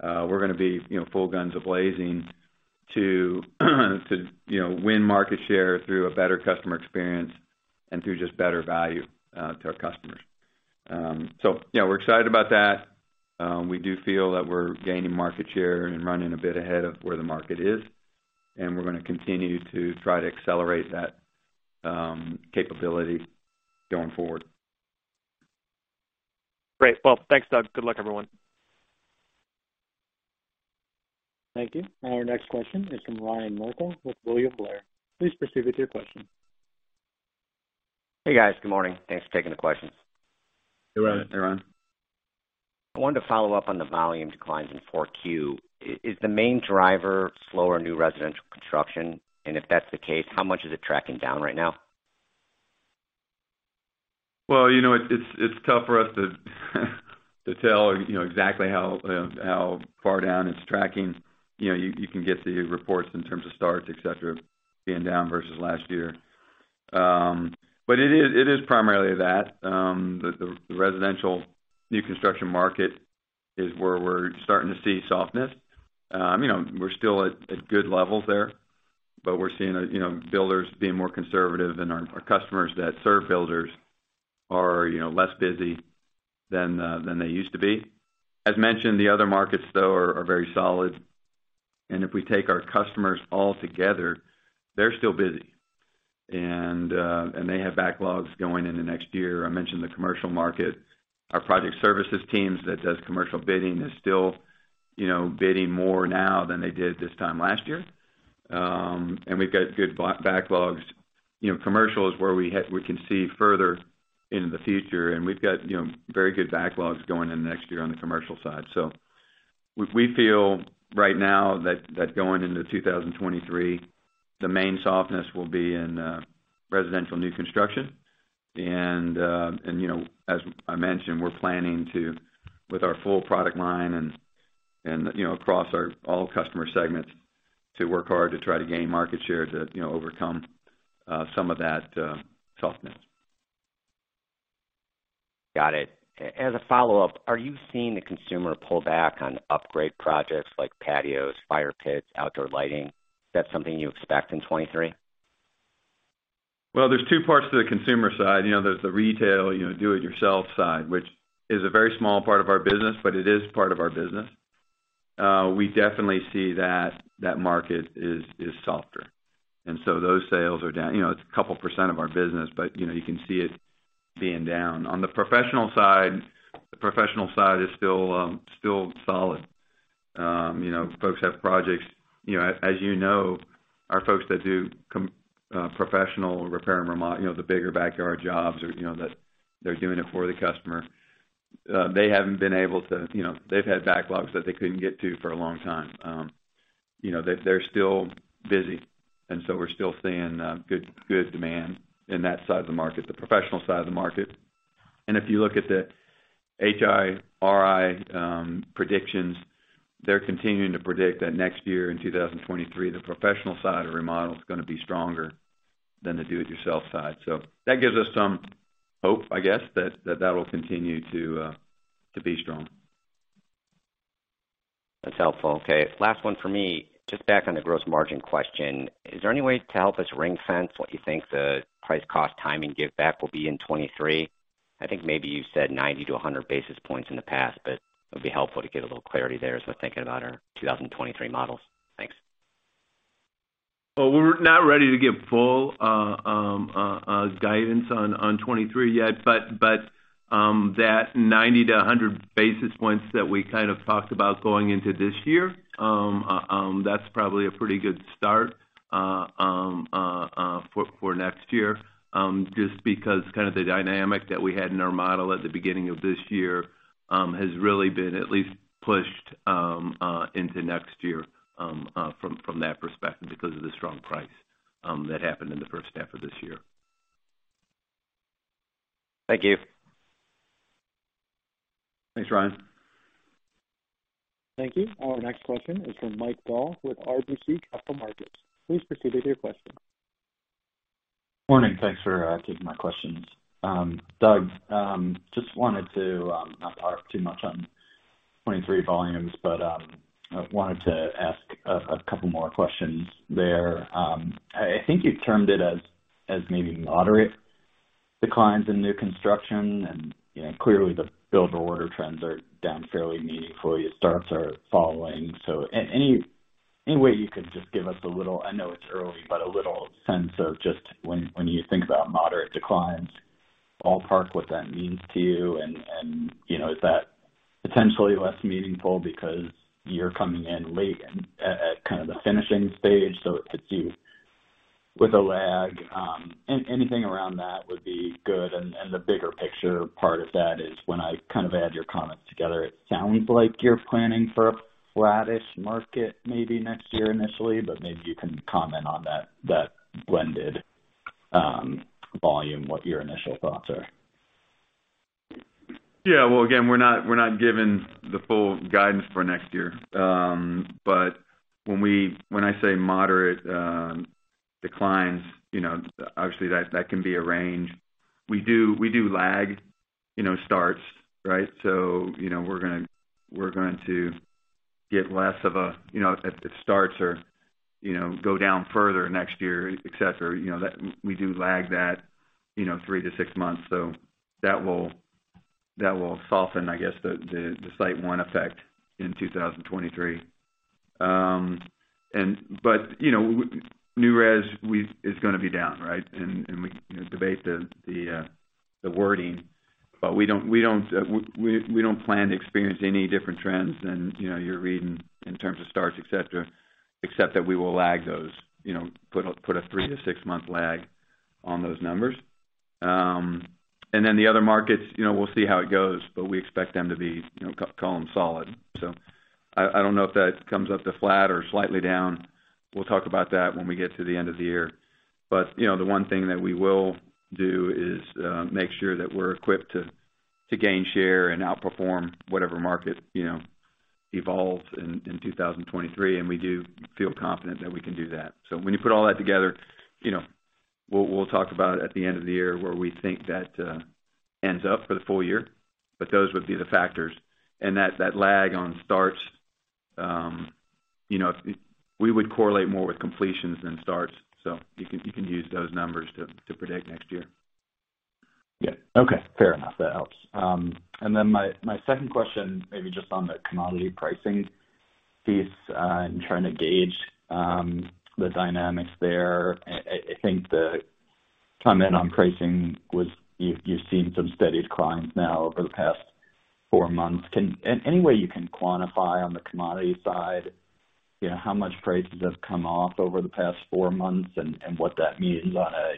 Speaker 3: we're gonna be, you know, full guns a-blazing to you know, win market share through a better customer experience and through just better value to our customers. Yeah, we're excited about that. We do feel that we're gaining market share and running a bit ahead of where the market is. We're gonna continue to try to accelerate that capability going forward.
Speaker 7: Great. Well, thanks, Doug. Good luck, everyone.
Speaker 1: Thank you. Our next question is from Ryan Merkel with William Blair. Please proceed with your question.
Speaker 8: Hey, guys. Good morning. Thanks for taking the question.
Speaker 3: Hey, Ryan.
Speaker 8: Hey, Ryan. I wanted to follow up on the volume declines in Q4. Is the main driver slower new residential construction? If that's the case, how much is it tracking down right now?
Speaker 3: Well, you know, it's tough for us to tell, you know, exactly how far down it's tracking. You know, you can get the reports in terms of starts, et cetera, being down versus last year. It is primarily that, the residential new construction market is where we're starting to see softness. You know, we're still at good levels there, but we're seeing, you know, builders being more conservative and our customers that serve builders are, you know, less busy than they used to be. As mentioned, the other markets though are very solid. If we take our customers all together, they're still busy. They have backlogs going into next year. I mentioned the commercial market. Our Project Services teams that does commercial bidding is still, you know, bidding more now than they did this time last year. We've got good backlogs. You know, commercial is where we can see further into the future, and we've got, you know, very good backlogs going in next year on the commercial side. We feel right now that going into 2023, the main softness will be in residential new construction. As I mentioned, we're planning to, with our full product line and, you know, across our all customer segments, work hard to try to gain market share to, you know, overcome some of that softness.
Speaker 8: Got it. As a follow-up, are you seeing the consumer pull back on upgrade projects like patios, fire pits, outdoor lighting? Is that something you expect in 2023?
Speaker 3: Well, there's two parts to the consumer side. You know, there's the retail, you know, do it yourself side, which is a very small part of our business, but it is part of our business. We definitely see that market is softer. Those sales are down. You know, it's a couple of percent of our business, but, you know, you can see it being down. On the professional side, the professional side is still solid. You know, folks have projects. You know, as you know, our folks that do professional repair and you know, the bigger backyard jobs or, you know, that they're doing it for the customer, they haven't been able to. You know, they've had backlogs that they couldn't get to for a long time. You know, they're still busy, and so we're still seeing good demand in that side of the market, the professional side of the market. If you look at the HIRI predictions, they're continuing to predict that next year in 2023, the professional side of remodel is gonna be stronger than the do it yourself side. That gives us some hope, I guess, that that will continue to be strong.
Speaker 8: That's helpful. Okay, last one for me. Just back on the gross margin question, is there any way to help us ring-fence what you think the price cost timing give back will be in 2023? I think maybe you said 90-100 basis points in the past, but it would be helpful to get a little clarity there as we're thinking about our 2023 models. Thanks.
Speaker 2: Well, we're not ready to give full guidance on 2023 yet, but that 90-100 basis points that we kind of talked about going into this year, that's probably a pretty good start for next year, just because kind of the dynamic that we had in our model at the beginning of this year has really been at least pushed into next year from that perspective because of the strong pricing that happened in the first half of this year.
Speaker 8: Thank you.
Speaker 3: Thanks, Ryan.
Speaker 1: Thank you. Our next question is from Mike Dahl with RBC Capital Markets. Please proceed with your question.
Speaker 9: Morning. Thanks for taking my questions. Doug, just wanted to not harp too much on 2023 volumes, but I wanted to ask a couple more questions there. I think you've termed it as maybe moderate declines in new construction, and, you know, clearly the builder order trends are down fairly meaningfully as starts are following. Any way you could just give us a little, I know it's early, but a little sense of just when you think about moderate declines, ballpark what that means to you and, you know, is that potentially less meaningful because you're coming in late at kind of the finishing stage, so it hits you with a lag? Anything around that would be good. The bigger picture part of that is when I kind of add your comments together, it sounds like you're planning for a flattish market maybe next year initially, but maybe you can comment on that blended volume, what your initial thoughts are.
Speaker 3: Yeah. Well, again, we're not giving the full guidance for next year. When I say moderate declines, you know, obviously, that can be a range. We do lag starts, right? You know, we're going to get less of a. You know, if the starts go down further next year, et cetera, you know, that we do lag that three to six months. That will- That will soften, I guess, the SiteOne effect in 2023. New res is gonna be down, right? We can debate the wording, but we don't plan to experience any different trends than you're reading in terms of starts, et cetera, except that we will lag those. You know, put a three- to six-month lag on those numbers. The other markets, we'll see how it goes, but we expect them to be solid. I don't know if that comes up to flat or slightly down. We'll talk about that when we get to the end of the year. You know, the one thing that we will do is make sure that we're equipped to gain share and outperform whatever market, you know, evolves in 2023, and we do feel confident that we can do that. When you put all that together, you know, we'll talk about it at the end of the year where we think that ends up for the full year. Those would be the factors. That lag on starts, you know, we would correlate more with completions than starts. You can use those numbers to predict next year.
Speaker 9: Yeah. Okay, fair enough. That helps. Then my second question may be just on the commodity pricing piece, in trying to gauge the dynamics there. I think the comment on pricing was you've seen some steadied climbs now over the past four months. Any way you can quantify on the commodity side, you know, how much prices have come off over the past four months and what that means on a,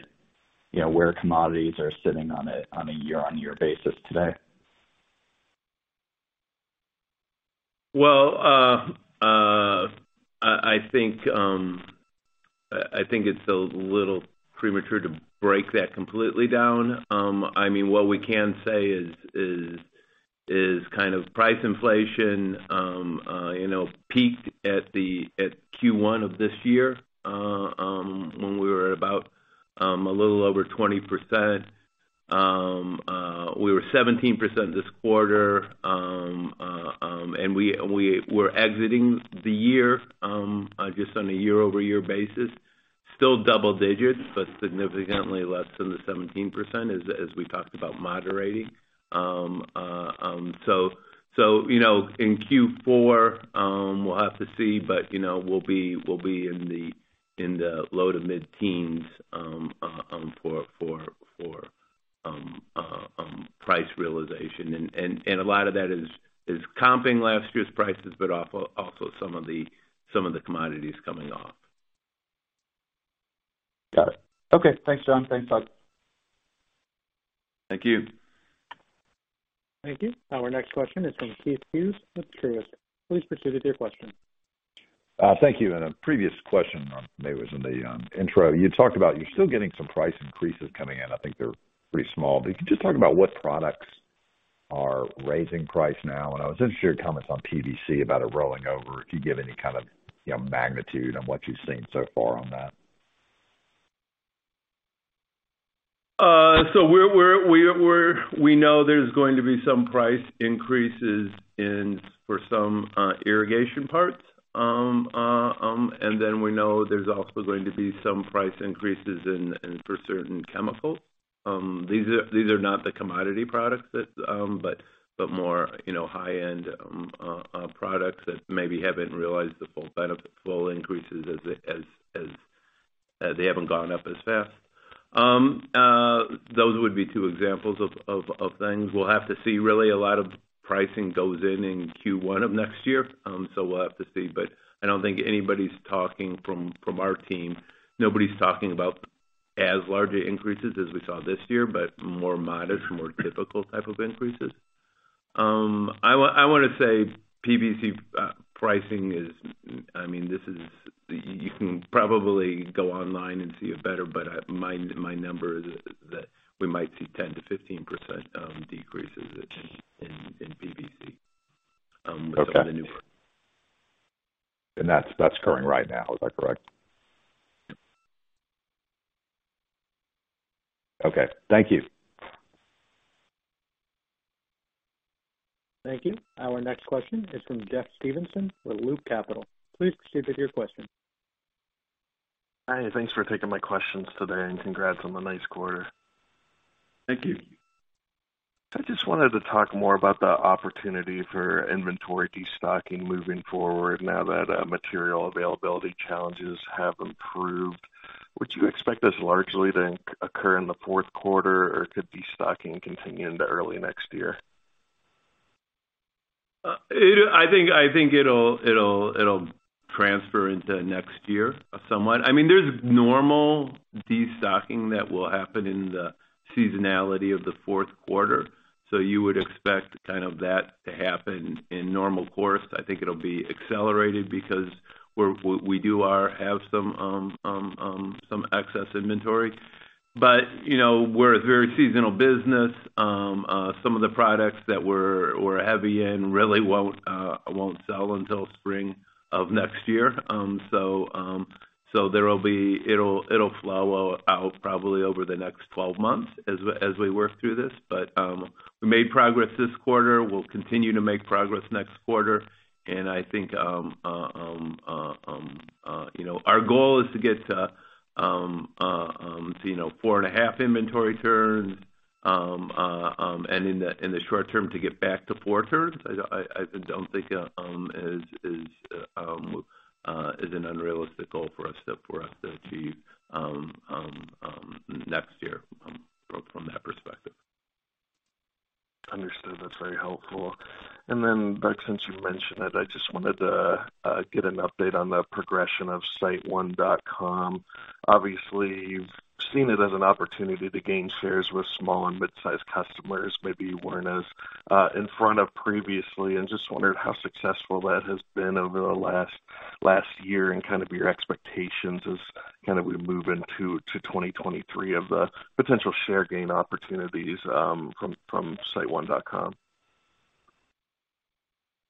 Speaker 9: you know, where commodities are sitting on a year-on-year basis today?
Speaker 2: Well, I think it's a little premature to break that completely down. I mean, what we can say is kind of price inflation, you know, peaked at Q1 of this year, when we were at about a little over 20%. We were 17% this quarter, and we're exiting the year, just on a year-over-year basis, still double digits, but significantly less than the 17% as we talked about moderating. You know, in Q4, we'll have to see, but you know, we'll be in the low- to mid-teens for price realization. A lot of that is comping last year's prices, but also some of the commodities coming off.
Speaker 9: Got it. Okay. Thanks, John. Thanks, Doug.
Speaker 3: Thank you.
Speaker 1: Thank you. Our next question is from Keith Hughes with Truist. Please proceed with your question.
Speaker 10: Thank you. In a previous question, or maybe it was in the intro, you talked about you're still getting some price increases coming in. I think they're pretty small. Can you just talk about what products are raising price now? I was interested in your comments on PVC about it rolling over. Could you give any kind of, you know, magnitude on what you've seen so far on that?
Speaker 2: We know there's going to be some price increases for some irrigation parts. We know there's also going to be some price increases for certain chemicals. These are not the commodity products, but more, you know, high-end products that maybe haven't realized the full increases as they haven't gone up as fast. Those would be two examples of things. We'll have to see. Really, a lot of pricing goes in Q1 of next year, we'll have to see. I don't think anybody's talking from our team, nobody's talking about as large of increases as we saw this year, but more modest, more typical type of increases. I wanna say PVC pricing is. I mean, this is. You can probably go online and see it better, but my number is that we might see 10%-15% decreases in PVC-
Speaker 10: Okay.
Speaker 2: with some of the new.
Speaker 10: That's occurring right now. Is that correct? Okay. Thank you.
Speaker 1: Thank you. Our next question is from Jeffrey Stevenson with Loop Capital. Please proceed with your question.
Speaker 11: Hi, thanks for taking my questions today, and congrats on the nice quarter.
Speaker 3: Thank you.
Speaker 11: I just wanted to talk more about the opportunity for inventory destocking moving forward now that material availability challenges have improved. Would you expect this largely to occur in the fourth quarter, or could destocking continue into early next year?
Speaker 2: I think it'll transfer into next year somewhat. I mean, there's normal destocking that will happen in the seasonality of the fourth quarter, so you would expect kind of that to happen in normal course. I think it'll be accelerated because we have some excess inventory. You know, we're a very seasonal business. Some of the products that we're heavy in really won't sell until spring of next year. There will be. It'll flow out probably over the next 12 months as we work through this. We made progress this quarter. We'll continue to make progress next quarter. I think, you know, our goal is to get to 4.5 inventory turns, and in the short term to get back to 4 turns. I don't think is an unrealistic goal for us to achieve next year from that perspective.
Speaker 11: Understood. That's very helpful. Then Doug, since you mentioned it, I just wanted to get an update on the progression of SiteOne.com. Obviously, you've seen it as an opportunity to gain shares with small and mid-sized customers maybe you weren't as in front of previously. Just wondered how successful that has been over the last year and kind of your expectations as kind of we move into 2023 of the potential share gain opportunities from SiteOne.com.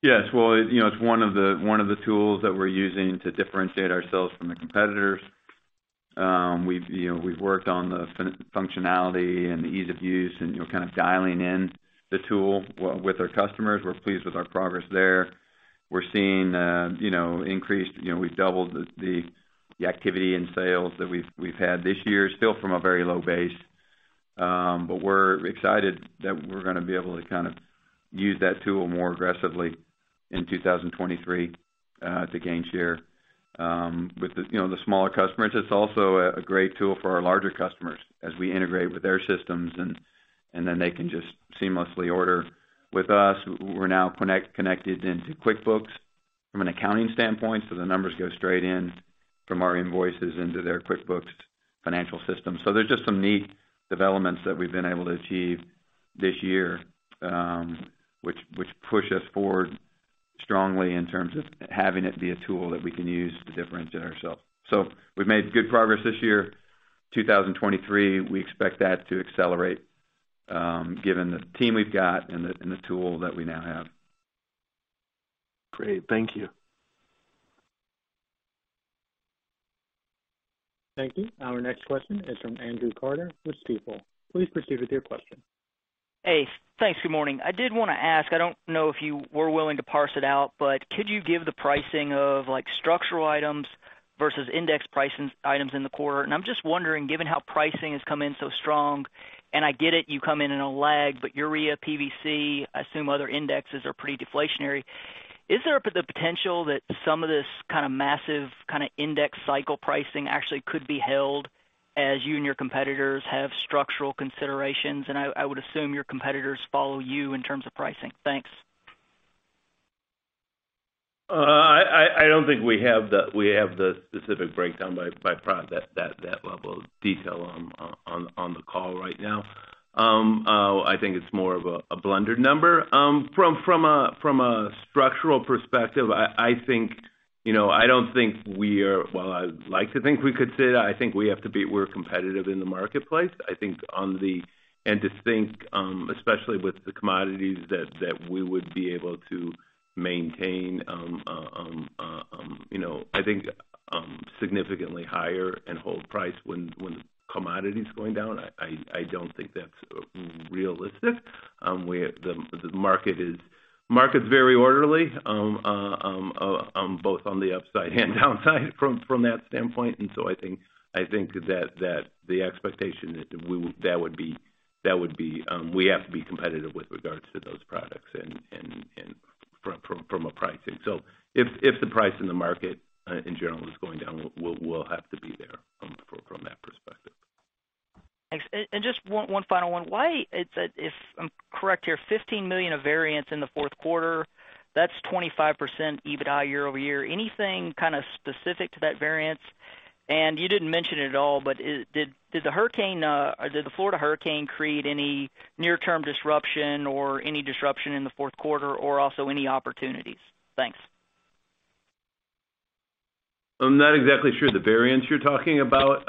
Speaker 3: Yes. Well, you know, it's one of the tools that we're using to differentiate ourselves from the competitors. We've worked on the functionality and the ease of use and, you know, kind of dialing in the tool with our customers. We're pleased with our progress there. We're seeing increased. You know, we've doubled the activity in sales that we've had this year. Still from a very low base, but we're excited that we're gonna be able to kind of use that tool more aggressively in 2023 to gain share with the, you know, the smaller customers. It's also a great tool for our larger customers as we integrate with their systems and then they can just seamlessly order with us. We're now connected into QuickBooks from an accounting standpoint, so the numbers go straight in from our invoices into their QuickBooks financial system. There's just some neat developments that we've been able to achieve this year, which push us forward strongly in terms of having it be a tool that we can use to differentiate ourselves. We've made good progress this year. 2023, we expect that to accelerate, given the team we've got and the tool that we now have.
Speaker 11: Great. Thank you.
Speaker 1: Thank you. Our next question is from Andrew Carter with Stifel. Please proceed with your question.
Speaker 12: Hey, thanks. Good morning. I did wanna ask, I don't know if you were willing to parse it out, but could you give the pricing of like structural items versus index pricing items in the quarter? I'm just wondering, given how pricing has come in so strong, and I get it, you come in in a lag, but Urea PVC, I assume other indexes are pretty deflationary. Is there a potential that some of this kind of massive kind of index cycle pricing actually could be held as you and your competitors have structural considerations? I would assume your competitors follow you in terms of pricing. Thanks.
Speaker 2: I don't think we have the specific breakdown by product at that level of detail on the call right now. I think it's more of a blended number. From a structural perspective, I think, you know, while I'd like to think we could say that, I think we have to be. We're competitive in the marketplace. To think, especially with the commodities that we would be able to maintain, you know, I think, significantly higher and hold price when commodity's going down, I don't think that's realistic. The market's very orderly both on the upside and downside from that standpoint. I think that the expectation we have to be competitive with regards to those products and from a pricing. If the price in the market in general is going down, we'll have to be there from that perspective.
Speaker 12: Thanks. Just one final one. Why, if I'm correct here, $15 million of variance in the fourth quarter? That's 25% EBITDA year-over-year. Anything kind of specific to that variance? You didn't mention it at all, but did the hurricane or did the Florida hurricane create any near-term disruption or any disruption in the fourth quarter or also any opportunities? Thanks.
Speaker 2: I'm not exactly sure the variance you're talking about.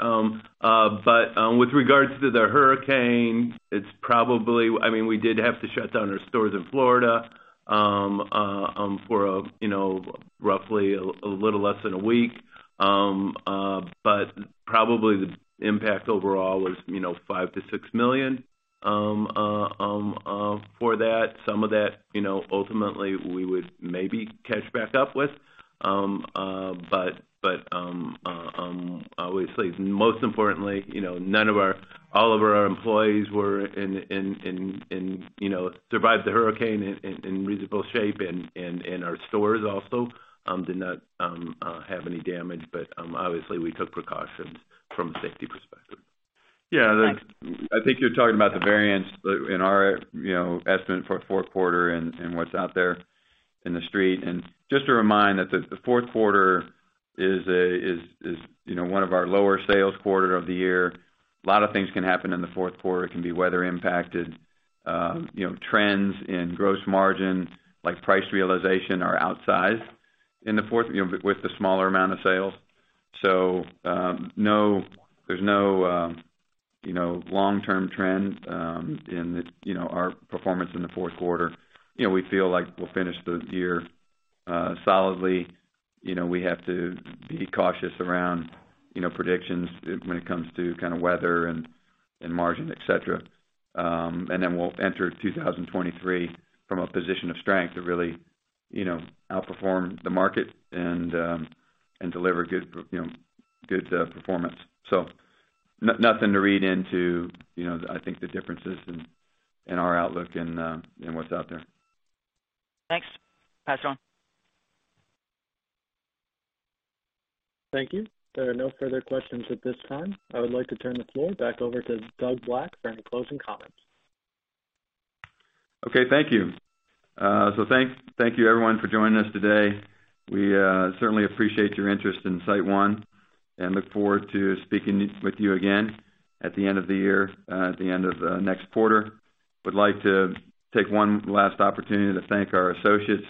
Speaker 2: With regards to the hurricane, it's probably, I mean, we did have to shut down our stores in Florida for, you know, roughly a little less than a week. Probably the impact overall was, you know, $5 million-$6 million for that. Some of that, you know, ultimately we would maybe catch back up with. Obviously most importantly, you know, all of our employees, you know, survived the hurricane in reasonable shape and our stores also did not have any damage. Obviously we took precautions from a safety perspective.
Speaker 3: Yeah. I think you're talking about the variance in our, you know, estimate for fourth quarter and what's out there in the street. Just to remind that the fourth quarter is, you know, one of our lower sales quarter of the year. A lot of things can happen in the fourth quarter. It can be weather impacted. You know, trends in gross margin like price realization are outsized in the fourth, you know, with the smaller amount of sales. No, there's no, you know, long-term trend, in, you know, our performance in the fourth quarter. You know, we feel like we'll finish the year solidly. You know, we have to be cautious around, you know, predictions when it comes to kind of weather and margin, et cetera. We'll enter 2023 from a position of strength to really, you know, outperform the market and deliver good, you know, performance. Nothing to read into, you know, I think the differences in our outlook and what's out there.
Speaker 12: Thanks. Pass it on.
Speaker 1: Thank you. There are no further questions at this time. I would like to turn the floor back over to Doug Black for any closing comments.
Speaker 3: Okay. Thank you. So thank you everyone for joining us today. We certainly appreciate your interest in SiteOne and look forward to speaking with you again at the end of the year, at the end of next quarter. Would like to take one last opportunity to thank our associates,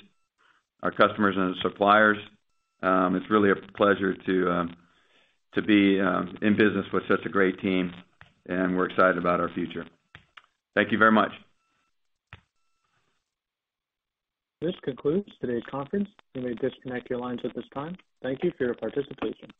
Speaker 3: our customers and suppliers. It's really a pleasure to be in business with such a great team, and we're excited about our future. Thank you very much.
Speaker 1: This concludes today's conference. You may disconnect your lines at this time. Thank you for your participation.